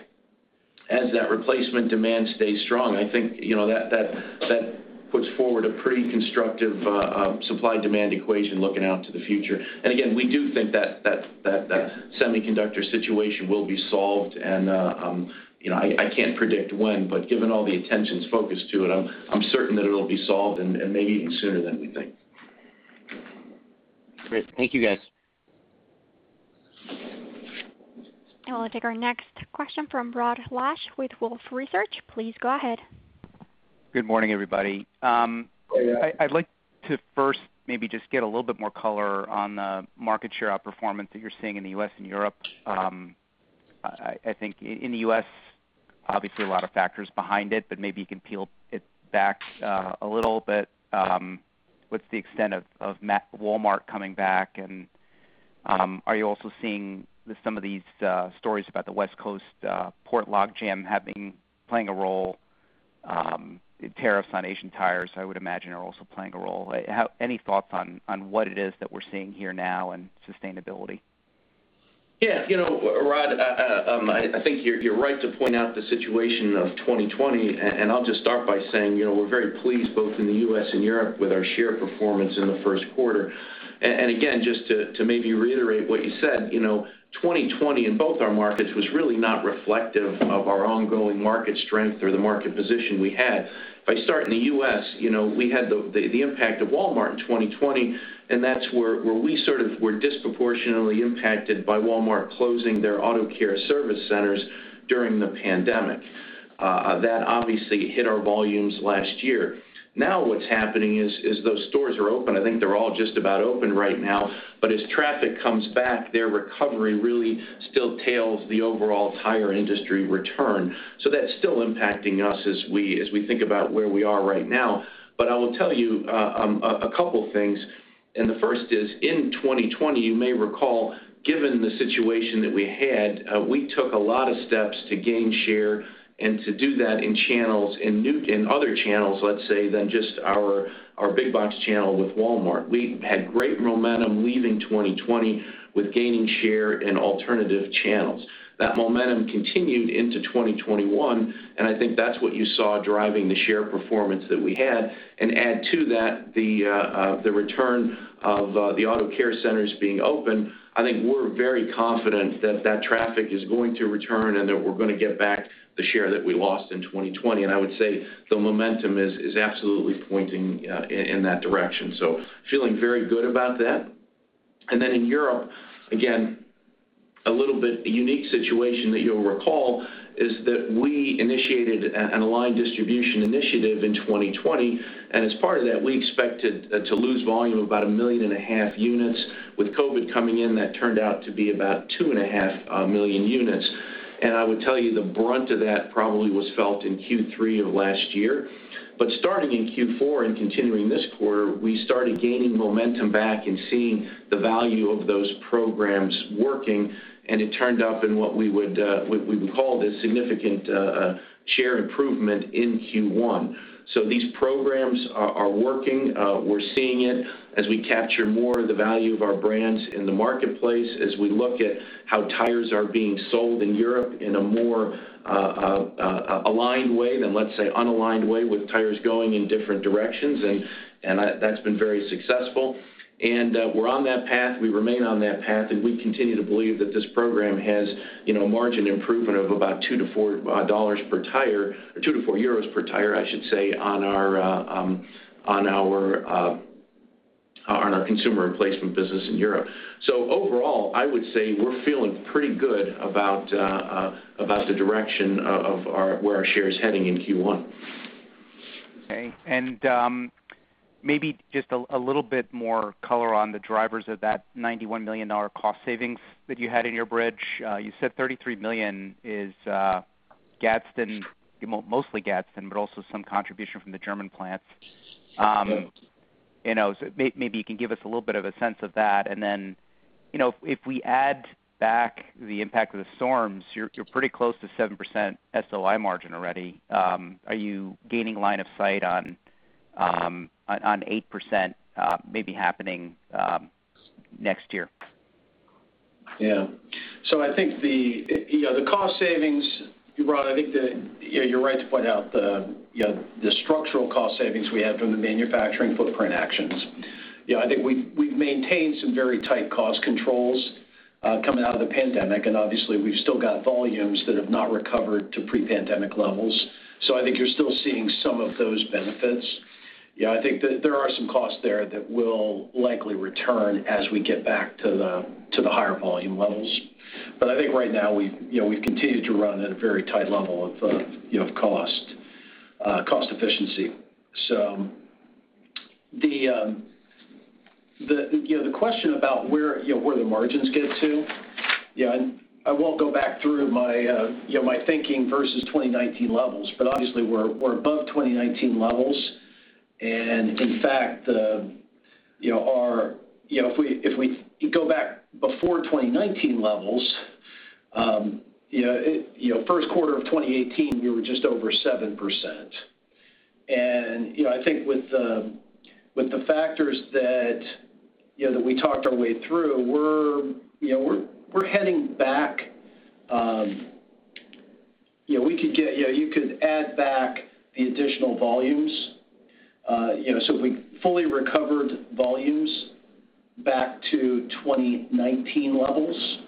as that replacement demand stays strong, I think that puts forward a pretty constructive supply-demand equation looking out to the future. Again, we do think that semiconductor situation will be solved, and I can't predict when, but given all the attention's focus to it, I'm certain that it'll be solved and maybe even sooner than we think. Great. Thank you, guys. We'll take our next question from Rod Lache with Wolfe Research. Please go ahead. Good morning, everybody. Good morning. I'd like to first maybe just get a little bit more color on the market share outperformance that you're seeing in the U.S. and Europe. I think in the U.S., obviously a lot of factors behind it, but maybe you can peel it back a little bit. What's the extent of Walmart coming back, and are you also seeing some of these stories about the West Coast port logjam playing a role? Tariffs on Asian tires, I would imagine, are also playing a role. Any thoughts on what it is that we're seeing here now and sustainability? Yeah. Rod, I think you're right to point out the situation of 2020. I'll just start by saying, we're very pleased both in the U.S. and Europe with our share performance in the first quarter. Again, just to maybe reiterate what you said, 2020 in both our markets was really not reflective of our ongoing market strength or the market position we had. If I start in the U.S., we had the impact of Walmart in 2020. That's where we sort of were disproportionately impacted by Walmart closing their Auto Care service centers during the pandemic. That obviously hit our volumes last year. What's happening is those stores are open. I think they're all just about open right now. As traffic comes back, their recovery really still tails the overall tire industry return. That's still impacting us as we think about where we are right now. I will tell you a couple things, and the first is, in 2020, you may recall, given the situation that we had, we took a lot of steps to gain share and to do that in channels, in other channels, let's say, than just our big box channel with Walmart. We had great momentum leaving 2020 with gaining share in alternative channels. That momentum continued into 2021, and I think that's what you saw driving the share performance that we had. Add to that the return of the Auto Care Centers being open. I think we're very confident that that traffic is going to return and that we're going to get back the share that we lost in 2020. I would say the momentum is absolutely pointing in that direction. Feeling very good about that. Then in Europe, again, a little bit unique situation that you'll recall is that we initiated an Aligned Distribution Initiative in 2020. As part of that, we expected to lose volume of about 1.5 million units. With COVID-19 coming in, that turned out to be about 2.5 million units. I would tell you the brunt of that probably was felt in Q3 of last year. Starting in Q4 and continuing this quarter, we started gaining momentum back and seeing the value of those programs working, and it turned up in what we would call this significant share improvement in Q1. These programs are working. We're seeing it as we capture more of the value of our brands in the marketplace, as we look at how tires are being sold in Europe in a more aligned way than, let's say, unaligned way with tires going in different directions, and that's been very successful. We're on that path. We remain on that path, and we continue to believe that this program has margin improvement of about $2-$4 per tire, or 2-4 euros per tire, I should say, on our consumer replacement business in Europe. Overall, I would say we're feeling pretty good about the direction of where our share is heading in Q1. Okay. Maybe just a little bit more color on the drivers of that $91 million cost savings that you had in your bridge. You said $33 million is Gadsden, mostly Gadsden, but also some contribution from the German plants. Maybe you can give us a little bit of a sense of that. If we add back the impact of the storms, you're pretty close to 7% SOI margin already. Are you gaining line of sight on 8% maybe happening next year? Yeah. I think the cost savings, Rod, I think you're right to point out the structural cost savings we had from the manufacturing footprint actions. I think we've maintained some very tight cost controls coming out of the pandemic, and obviously we've still got volumes that have not recovered to pre-pandemic levels. I think you're still seeing some of those benefits. I think that there are some costs there that will likely return as we get back to the higher volume levels. I think right now we've continued to run at a very tight level of cost efficiency. The question about where the margins get to. I won't go back through my thinking versus 2019 levels. Obviously, we're above 2019 levels. In fact, if we go back before 2019 levels, first quarter of 2018, we were just over 7%. I think with the factors that we talked our way through, we're heading back. You could add back the additional volumes. If we fully recovered volumes back to 2019 levels,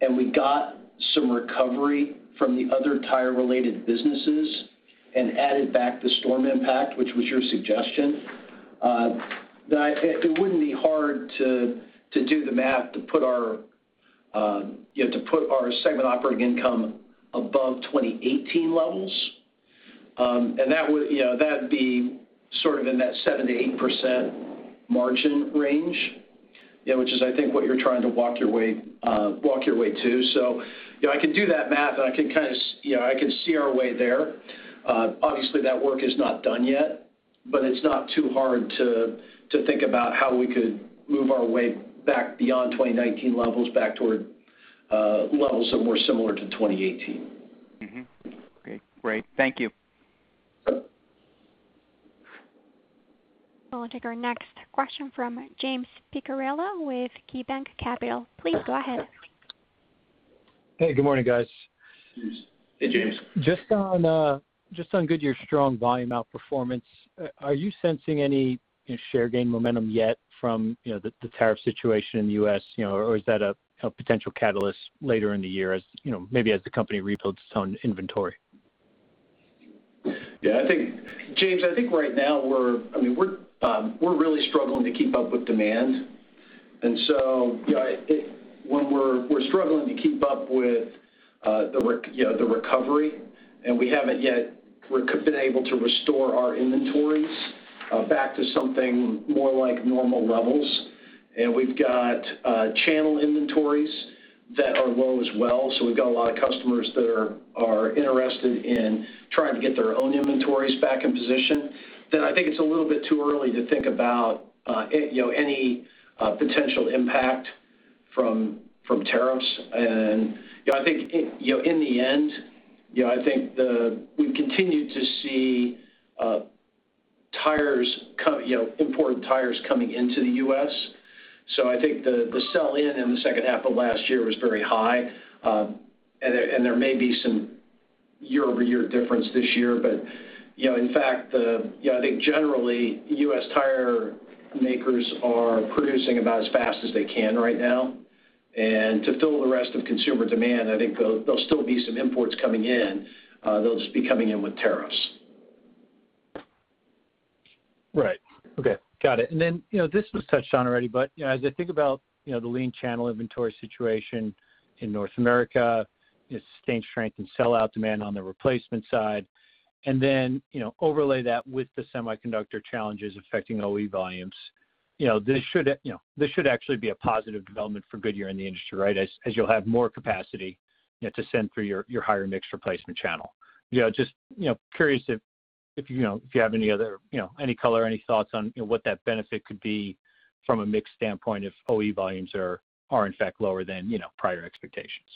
and we got some recovery from the other tire-related businesses and added back the storm impact, which was your suggestion, then it wouldn't be hard to do the math to put our Segment Operating Income above 2018 levels. That'd be sort of in that 7%-8% margin range. Which is, I think, what you're trying to walk your way to. I can do that math and I can see our way there. Obviously, that work is not done yet, but it's not too hard to think about how we could move our way back beyond 2019 levels, back toward levels that were similar to 2018. Great. Thank you. We'll take our next question from James Picariello with KeyBanc Capital. Please go ahead. Hey, good morning, guys. Hey, James. Just on Goodyear's strong volume outperformance, are you sensing any share gain momentum yet from the tariff situation in the U.S., or is that a potential catalyst later in the year, maybe as the company rebuilds its own inventory? Yeah, James, I think right now we're really struggling to keep up with demand. When we're struggling to keep up with the recovery, and we haven't yet been able to restore our inventories back to something more like normal levels. We've got channel inventories that are low as well. We've got a lot of customers that are interested in trying to get their own inventories back in position. I think it's a little bit too early to think about any potential impact from tariffs. I think in the end, we continue to see imported tires coming into the U.S. I think the sell-in in the second half of last year was very high. There may be some year-over-year difference this year, but in fact, I think generally, U.S. tire makers are producing about as fast as they can right now. To fill the rest of consumer demand, I think there'll still be some imports coming in. They'll just be coming in with tariffs. Right. Okay. Got it. This was touched on already, but as I think about the lean channel inventory situation in North America, sustained strength and sell-out demand on the replacement side, and then overlay that with the semiconductor challenges affecting OE volumes. This should actually be a positive development for Goodyear in the industry, right? As you'll have more capacity to send through your higher mix replacement channel. Just curious if you have any color or any thoughts on what that benefit could be from a mix standpoint if OE volumes are in fact lower than prior expectations.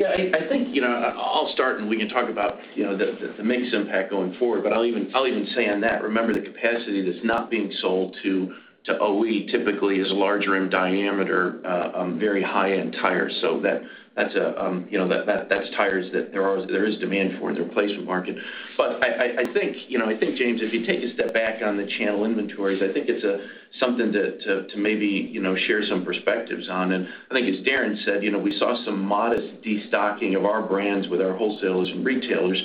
Yeah. I'll start and we can talk about the mix impact going forward. I'll even say on that, remember the capacity that's not being sold to OE typically is larger in diameter, very high-end tires. That's tires that there is demand for in the replacement market. I think, James, if you take a step back on the channel inventories, I think it's something to maybe share some perspectives on. I think as Darren said, we saw some modest destocking of our brands with our wholesalers and retailers.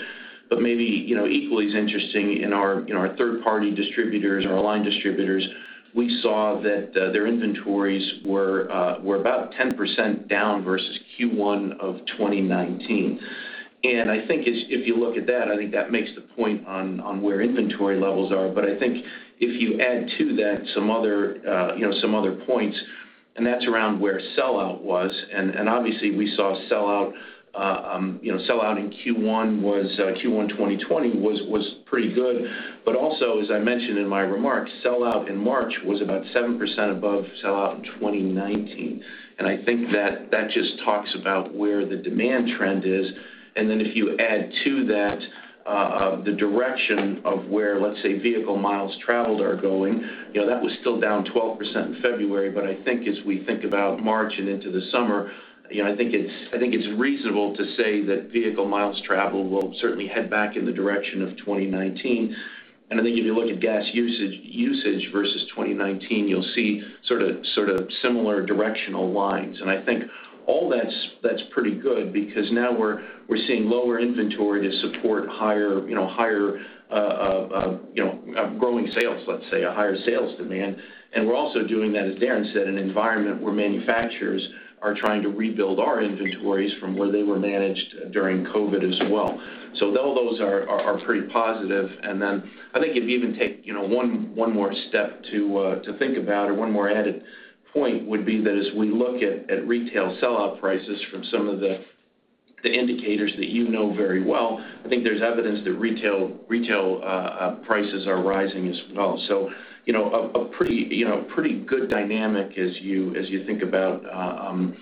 Maybe equally as interesting in our third-party distributors or our aligned distributors, we saw that their inventories were about 10% down versus Q1 of 2019. I think if you look at that, I think that makes the point on where inventory levels are. I think if you add to that some other points, that's around where sell-out was, we saw sell-out in Q1 2020 was pretty good. As I mentioned in my remarks, sell-out in March was about 7% above sell-out in 2019. I think that just talks about where the demand trend is. If you add to that the direction of where, let's say, vehicle miles traveled are going, that was still down 12% in February. I think as we think about March and into the summer, I think it's reasonable to say that vehicle miles traveled will certainly head back in the direction of 2019. I think if you look at gas usage versus 2019, you'll see sort of similar directional lines. I think all that's pretty good because now we're seeing lower inventory to support higher growing sales, let's say, a higher sales demand. We're also doing that, as Darren said, in an environment where manufacturers are trying to rebuild our inventories from where they were managed during COVID as well. All those are pretty positive. I think you'd even take one more step to think about or one more added point would be that as we look at retail sell-out prices from some of the indicators that you know very well, I think there's evidence that retail prices are rising as well. A pretty good dynamic as you think about the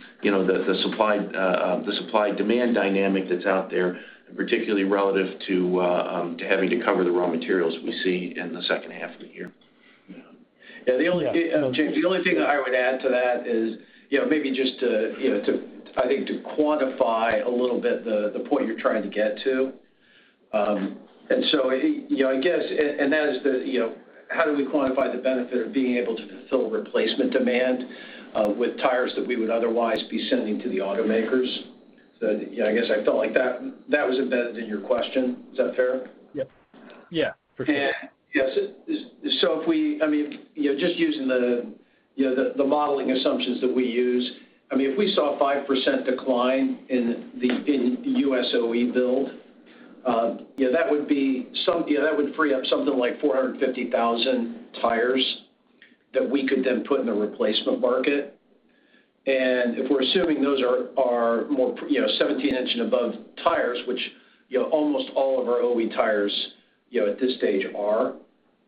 supply-demand dynamic that's out there, particularly relative to having to cover the raw materials we see in the second half of the year. Yeah. James, the only thing that I would add to that is maybe just to, I think, to quantify a little bit the point you're trying to get to. That is how do we quantify the benefit of being able to fulfill replacement demand with tires that we would otherwise be sending to the automakers? I guess I felt like that was embedded in your question. Is that fair? Yeah. For sure. Just using the modeling assumptions that we use, if we saw a 5% decline in the U.S. OE build, that would free up something like 450,000 tires that we could then put in the replacement market. If we're assuming those are more 17 in and above tires, which almost all of our OE tires at this stage are,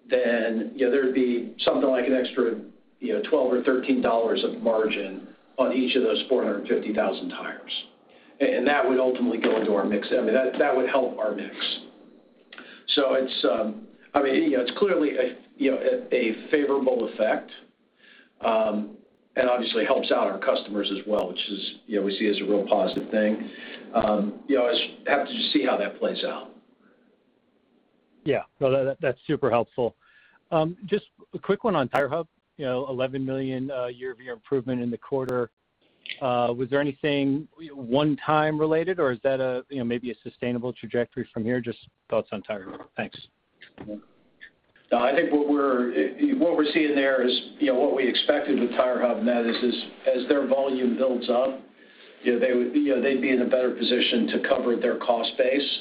there'd be something like an extra $12 or $13 of margin on each of those 450,000 tires. That would ultimately go into our mix. That would help our mix. It's clearly a favorable effect. Obviously helps out our customers as well, which we see as a real positive thing. I have to just see how that plays out. That's super helpful. Just a quick one on TireHub, $11 million year-over-year improvement in the quarter. Was there anything one time related or is that maybe a sustainable trajectory from here? Just thoughts on TireHub. Thanks. No, I think what we're seeing there is what we expected with TireHub now this is, as their volume builds up they'd be in a better position to cover their cost base,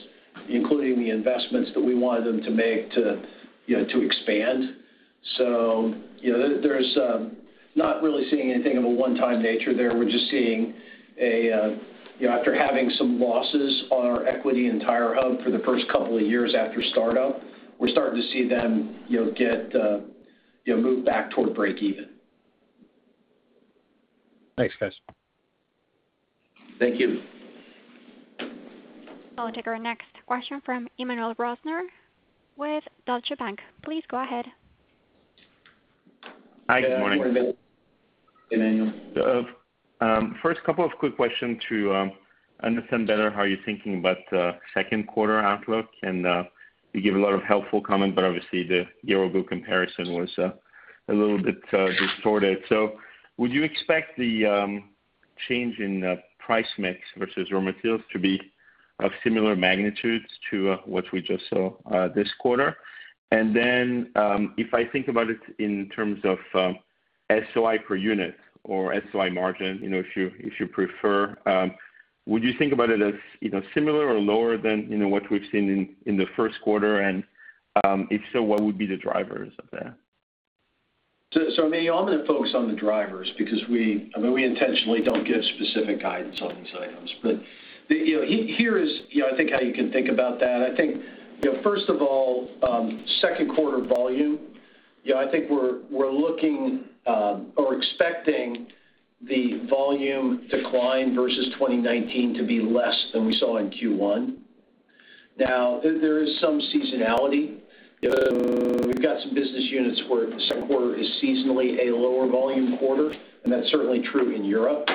including the investments that we wanted them to make to expand. There's not really seeing anything of a one-time nature there. We're just seeing after having some losses on our equity in TireHub for the first couple of years after startup, we're starting to see them get moved back toward breakeven. Thanks, guys. Thank you. I'll take our next question from Emmanuel Rosner with Deutsche Bank. Please go ahead. Hi. Good morning. Good morning. Emmanuel. Couple of quick questions to understand better how you're thinking about second quarter outlook. You give a lot of helpful comments, but obviously the year-ago comparison was a little bit distorted. Would you expect the change in price mix versus raw materials to be of similar magnitudes to what we just saw this quarter? If I think about it in terms of SOI per unit or SOI margin if you prefer, would you think about it as similar or lower than what we've seen in the first quarter? If so, what would be the drivers of that? I'm going to focus on the drivers because we intentionally don't give specific guidance on these items. Here is I think how you can think about that. I think, first of all, second quarter volume, I think we're looking or expecting the volume decline versus 2019 to be less than we saw in Q1. There is some seasonality. We've got some business units where second quarter is seasonally a lower volume quarter, and that's certainly true in Europe.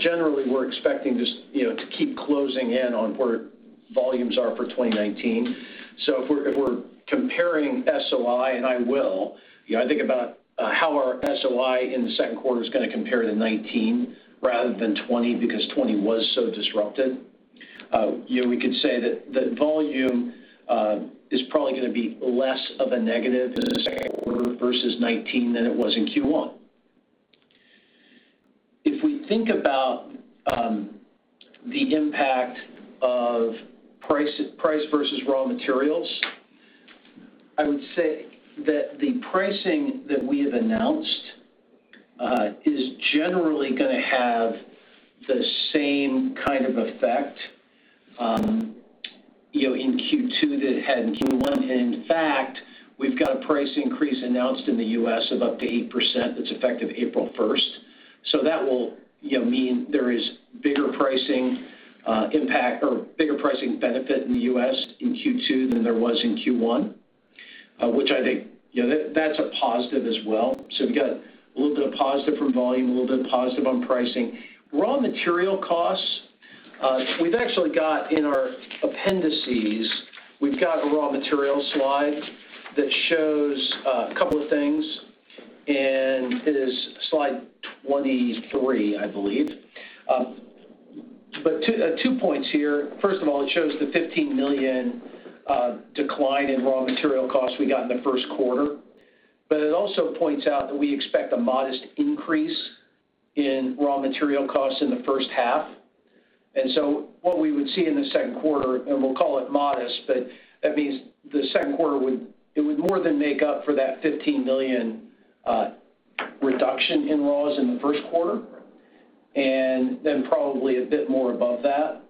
Generally, we're expecting just to keep closing in on where volumes are for 2019. If we're comparing SOI, and I will, I think about how our SOI in the second quarter is going to compare to 2019 rather than 2020, because 2020 was so disrupted. We could say that volume is probably going to be less of a negative in the [second quarter] versus 2019 than it was in Q1. If we think about the impact of price versus raw materials, I would say that the pricing that we have announced is generally going to have the same kind of effect in Q2 that it had in Q1. In fact, we've got a price increase announced in the U.S. of up to 8% that's effective April 1st. That will mean there is bigger pricing impact or bigger pricing benefit in the U.S. in Q2 than there was in Q1. Which I think that's a positive as well. We've got a little bit of positive from volume, a little bit of positive on pricing. Raw material costs. We've actually got in our appendices, we've got a raw material slide that shows a couple of things, and it is slide 23, I believe. Two points here. First of all, it shows the $15 million decline in raw material costs we got in the first quarter. It also points out that we expect a modest increase in raw material costs in the first half. What we would see in the second quarter, and we'll call it modest, but that means the second quarter would more than make up for that $15 million reduction in raws in the first quarter, and then probably a bit more above that.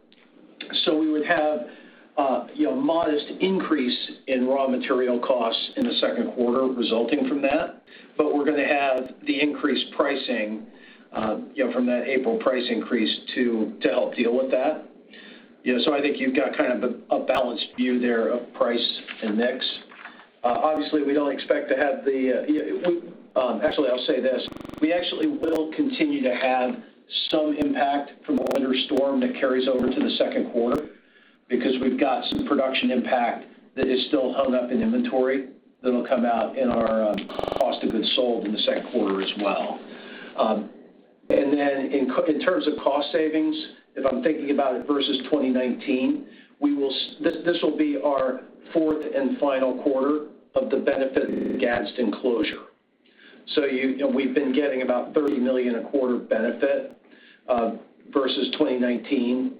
We would have a modest increase in raw material costs in the second quarter resulting from that, but we're going to have the increased pricing from that April price increase to help deal with that. I think you've got kind of a balanced view there of price and mix. Obviously, we don't expect to have. Actually, I'll say this. We actually will continue to have some impact from the winter storm that carries over to the second quarter, because we've got some production impact that is still hung up in inventory that'll come out in our cost of goods sold in the second quarter as well. In terms of cost savings, if I'm thinking about it versus 2019, this will be our fourth and final quarter of the benefit of the Gadsden closure. We've been getting about $30 million a quarter benefit versus 2019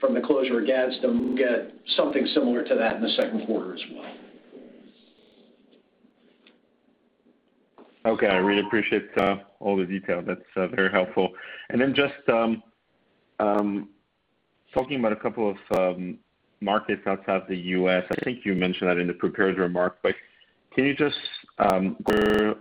from the closure of Gadsden. We'll get something similar to that in the second quarter as well. Okay. I really appreciate all the detail. That's very helpful. Then just talking about a couple of markets outside the U.S., I think you mentioned that in the prepared remarks, but can you just share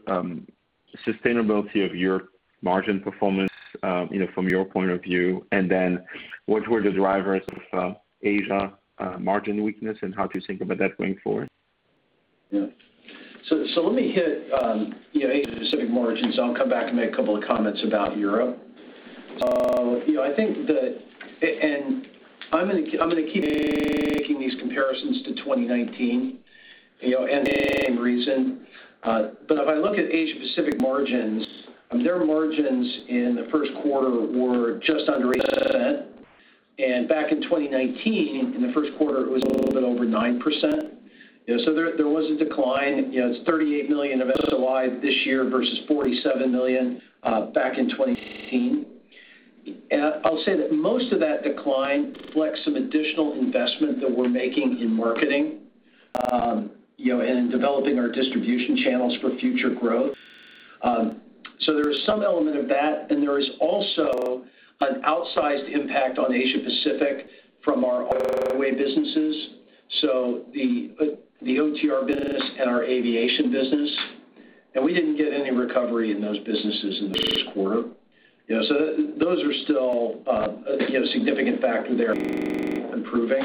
sustainability of your margin performance from your point of view, and then what were the drivers of Asia margin weakness, and how do you think about that going forward? Let me hit Asia-Pacific margins. I'll come back and make a couple of comments about Europe. I'm going to keep making these comparisons to 2019 for the same reason. If I look at Asia-Pacific margins, their margins in the first quarter were just under 8%. Back in 2019, in the first quarter, it was a little bit over 9%. There was a decline. It's $38 million of SOI this year versus $47 million back in 2019. I'll say that most of that decline reflects some additional investment that we're making in marketing, and in developing our distribution channels for future growth. There is some element of that, and there is also an outsized impact on Asia-Pacific from our businesses. The OTR business and our aviation business, we didn't get any recovery in those businesses in the first quarter. Those are still a significant factor there improving.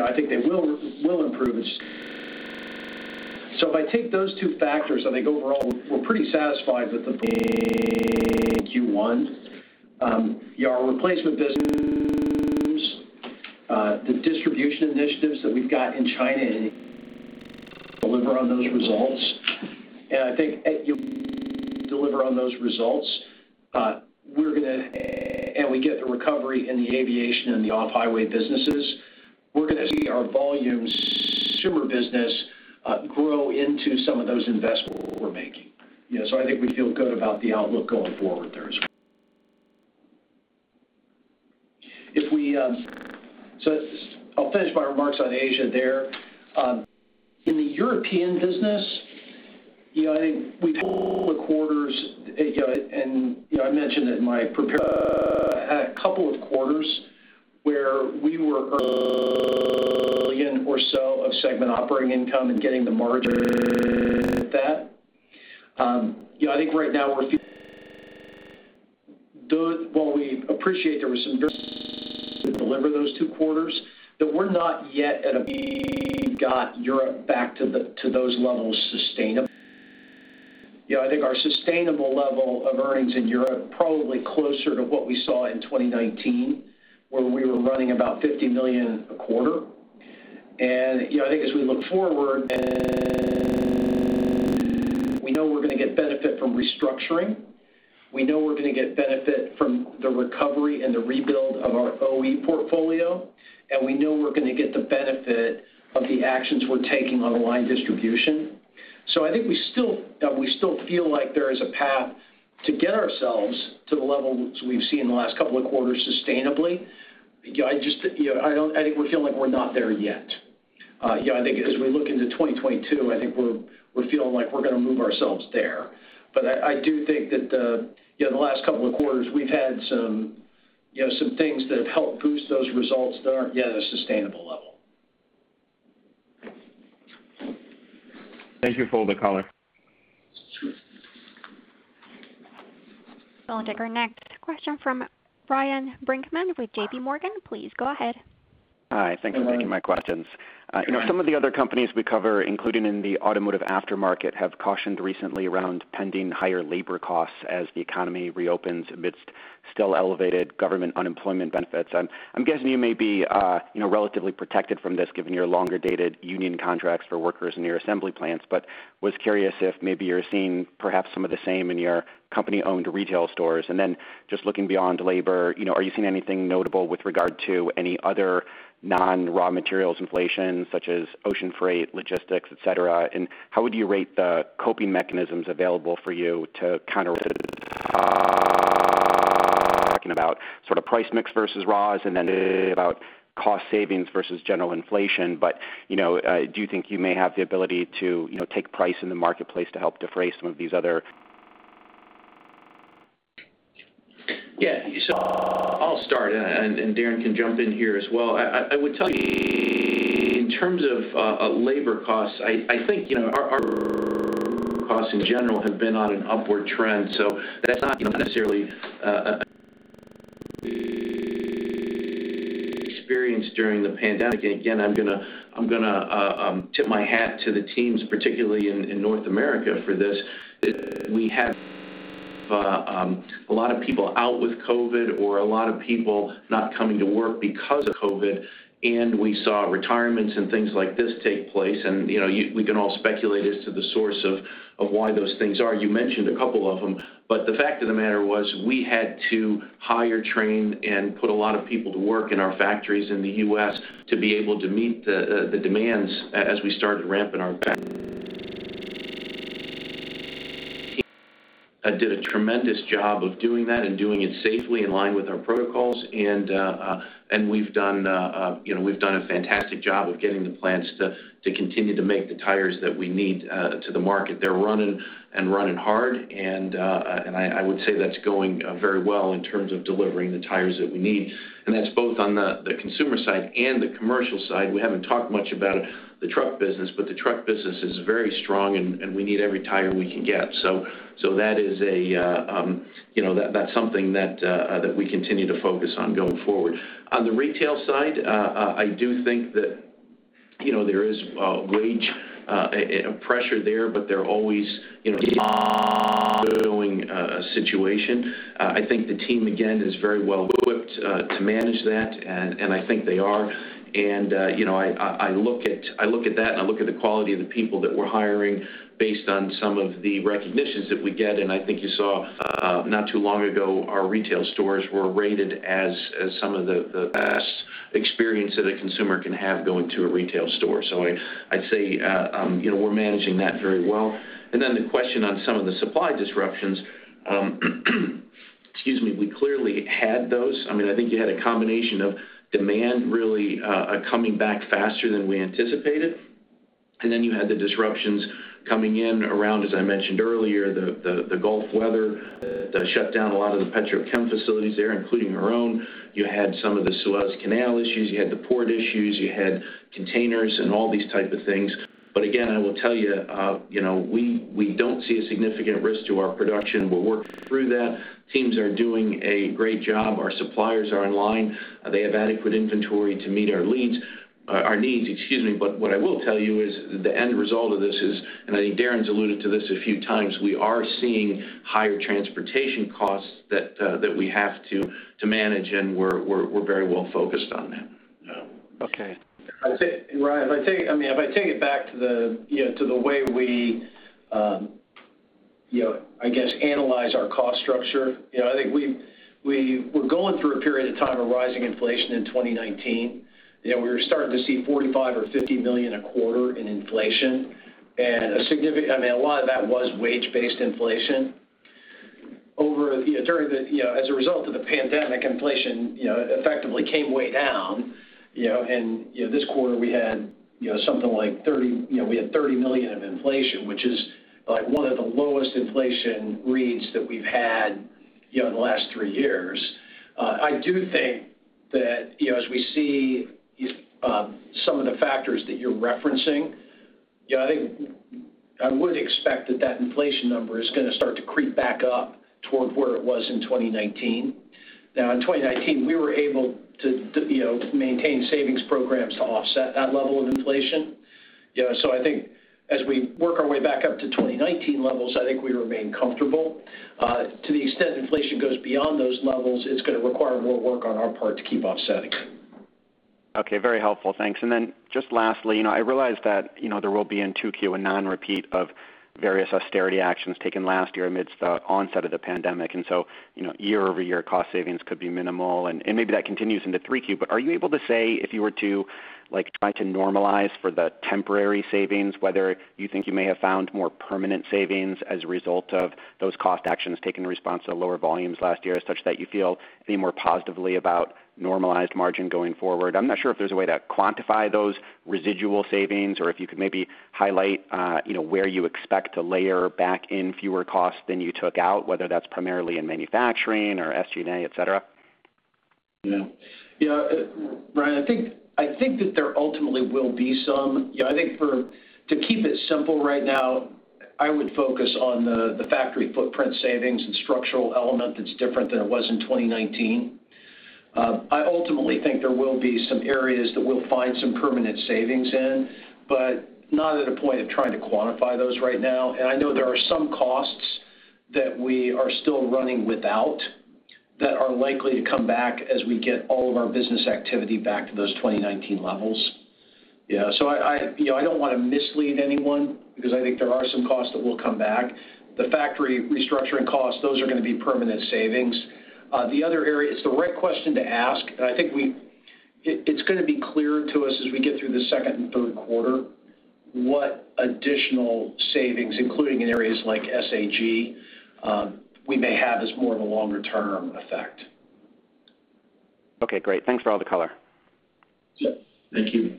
I think they will improve. If I take those two factors, I think overall, we're pretty satisfied with the Q1. Our replacement business, the distribution initiatives that we've got in China deliver on those results, and we get the recovery in the aviation and the off-highway businesses. We're going to see our volume consumer business grow into some of those investments we're making. I think we feel good about the outlook going forward there as well. I'll finish my remarks on Asia there. In the European business, I think we the quarters, and I mentioned it in my prepared, had a couple of quarters where we were earning million or so of Segment Operating Income and getting the that. I think right now we're while we appreciate there were some to deliver those two quarters, that we're not yet at got Europe back to those levels sustainably. I think our sustainable level of earnings in Europe probably closer to what we saw in 2019, where we were running about $50 million a quarter. I think as we look forward, we know we're going to get benefit from restructuring. We know we're going to get benefit from the recovery and the rebuild of our OE portfolio. We know we're going to get the benefit of the actions we're taking on aligned distribution. I think we still feel like there is a path to get ourselves to the levels we've seen in the last couple of quarters sustainably. I think we feel like we're not there yet. I think as we look into 2022, I think we're feeling like we're going to move ourselves there. I do think that the last couple of quarters, we've had some things that have helped boost those results that aren't yet at a sustainable level. Thank you for the color. We'll take our next question from Ryan Brinkman with JPMorgan. Please go ahead. Hi. Thanks for taking my questions. Some of the other companies we cover, including in the automotive aftermarket, have cautioned recently around pending higher labor costs as the economy reopens amidst still elevated government unemployment benefits. I'm guessing you may be relatively protected from this given your longer dated union contracts for workers in your assembly plants, but was curious if maybe you're seeing perhaps some of the same in your company owned retail stores. Then just looking beyond labor, are you seeing anything notable with regard to any other non-raw materials inflation such as ocean freight, logistics, et cetera? How would you rate the coping mechanisms available for you to counter, talking about price mix versus raw, then about cost savings versus general inflation. I do think you may have the ability to take price in the marketplace to help defray some of these other. I'll start and Darren can jump in here as well. I would tell you in terms of labor costs, I think our costs in general have been on an upward trend. That's not necessarily experienced during the pandemic. Again, I'm going to tip my hat to the teams, particularly in North America for this. We had a lot of people out with COVID or a lot of people not coming to work because of COVID, and we saw retirements and things like this take place. We can all speculate as to the source of why those things are. You mentioned a couple of them, but the fact of the matter was we had to hire, train, and put a lot of people to work in our factories in the U.S. to be able to meet the demands. Did a tremendous job of doing that and doing it safely in line with our protocols. We've done a fantastic job of getting the plants to continue to make the tires that we need to the market. They're running, and running hard, and I would say that's going very well in terms of delivering the tires that we need. That's both on the consumer side and the commercial side. We haven't talked much about the truck business, but the truck business is very strong, and we need every tire we can get. That's something that we continue to focus on going forward. On the retail side, I do think that there is wage pressure there, but they're always going situation. I think the team, again, is very well equipped to manage that, and I think they are. I look at that, and I look at the quality of the people that we're hiring based on some of the recognitions that we get. I think you saw not too long ago, our retail stores were rated as some of the best experience that a consumer can have going to a retail store. I'd say we're managing that very well. The question on some of the supply disruptions, excuse me, we clearly had those. I think you had a combination of demand really coming back faster than we anticipated. You had the disruptions coming in around, as I mentioned earlier, the Gulf weather that shut down a lot of the petrochem facilities there, including our own. You had some of the Suez Canal issues. You had the port issues. You had containers and all these type of things. Again, I will tell you we don't see a significant risk to our production. We're working through that. Teams are doing a great job. Our suppliers are in line. They have adequate inventory to meet our needs. What I will tell you is the end result of this is, and I think Darren's alluded to this a few times, we are seeing higher transportation costs that we have to manage, and we're very well focused on that. Okay. I'd say, Ryan, if I take it back to the way we, I guess, analyze our cost structure, I think we're going through a period of time of rising inflation in 2019. We were starting to see $45 million or $50 million a quarter in inflation, and a lot of that was wage-based inflation. As a result of the pandemic, inflation effectively came way down, and this quarter we had something like $30 million of inflation, which is one of the lowest inflation reads that we've had in the last three years. I do think that as we see some of the factors that you're referencing, I would expect that that inflation number is going to start to creep back up toward where it was in 2019. Now, in 2019, we were able to maintain savings programs to offset that level of inflation. I think as we work our way back up to 2019 levels, I think we remain comfortable. To the extent inflation goes beyond those levels, it's going to require more work on our part to keep offsetting. Okay. Very helpful. Thanks. Then just lastly, I realize that there will be in 2Q a non-repeat of various austerity actions taken last year amidst the onset of the pandemic, so year-over-year cost savings could be minimal, and maybe that continues into 3Q. Are you able to say if you were to try to normalize for the temporary savings, whether you think you may have found more permanent savings as a result of those cost actions taken in response to lower volumes last year, such that you feel any more positively about normalized margin going forward? I'm not sure if there's a way to quantify those residual savings or if you could maybe highlight where you expect to layer back in fewer costs than you took out, whether that's primarily in manufacturing or SG&A, et cetera. Yeah. Ryan, I think that there ultimately will be some. I think to keep it simple right now, I would focus on the factory footprint savings and structural element that's different than it was in 2019. I ultimately think there will be some areas that we'll find some permanent savings in, but not at a point of trying to quantify those right now. I know there are some costs that we are still running without that are likely to come back as we get all of our business activity back to those 2019 levels. I don't want to mislead anyone because I think there are some costs that will come back. The factory restructuring costs, those are going to be permanent savings. It's the right question to ask. I think it's going to be clear to us as we get through the second and third quarter what additional savings, including in areas like SAG, we may have as more of a longer term effect. Okay, great. Thanks for all the color. Yeah. Thank you.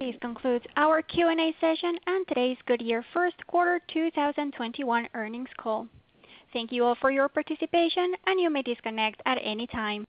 This concludes our Q&A session and today's Goodyear first quarter 2021 earnings call. Thank you all for your participation, and you may disconnect at any time.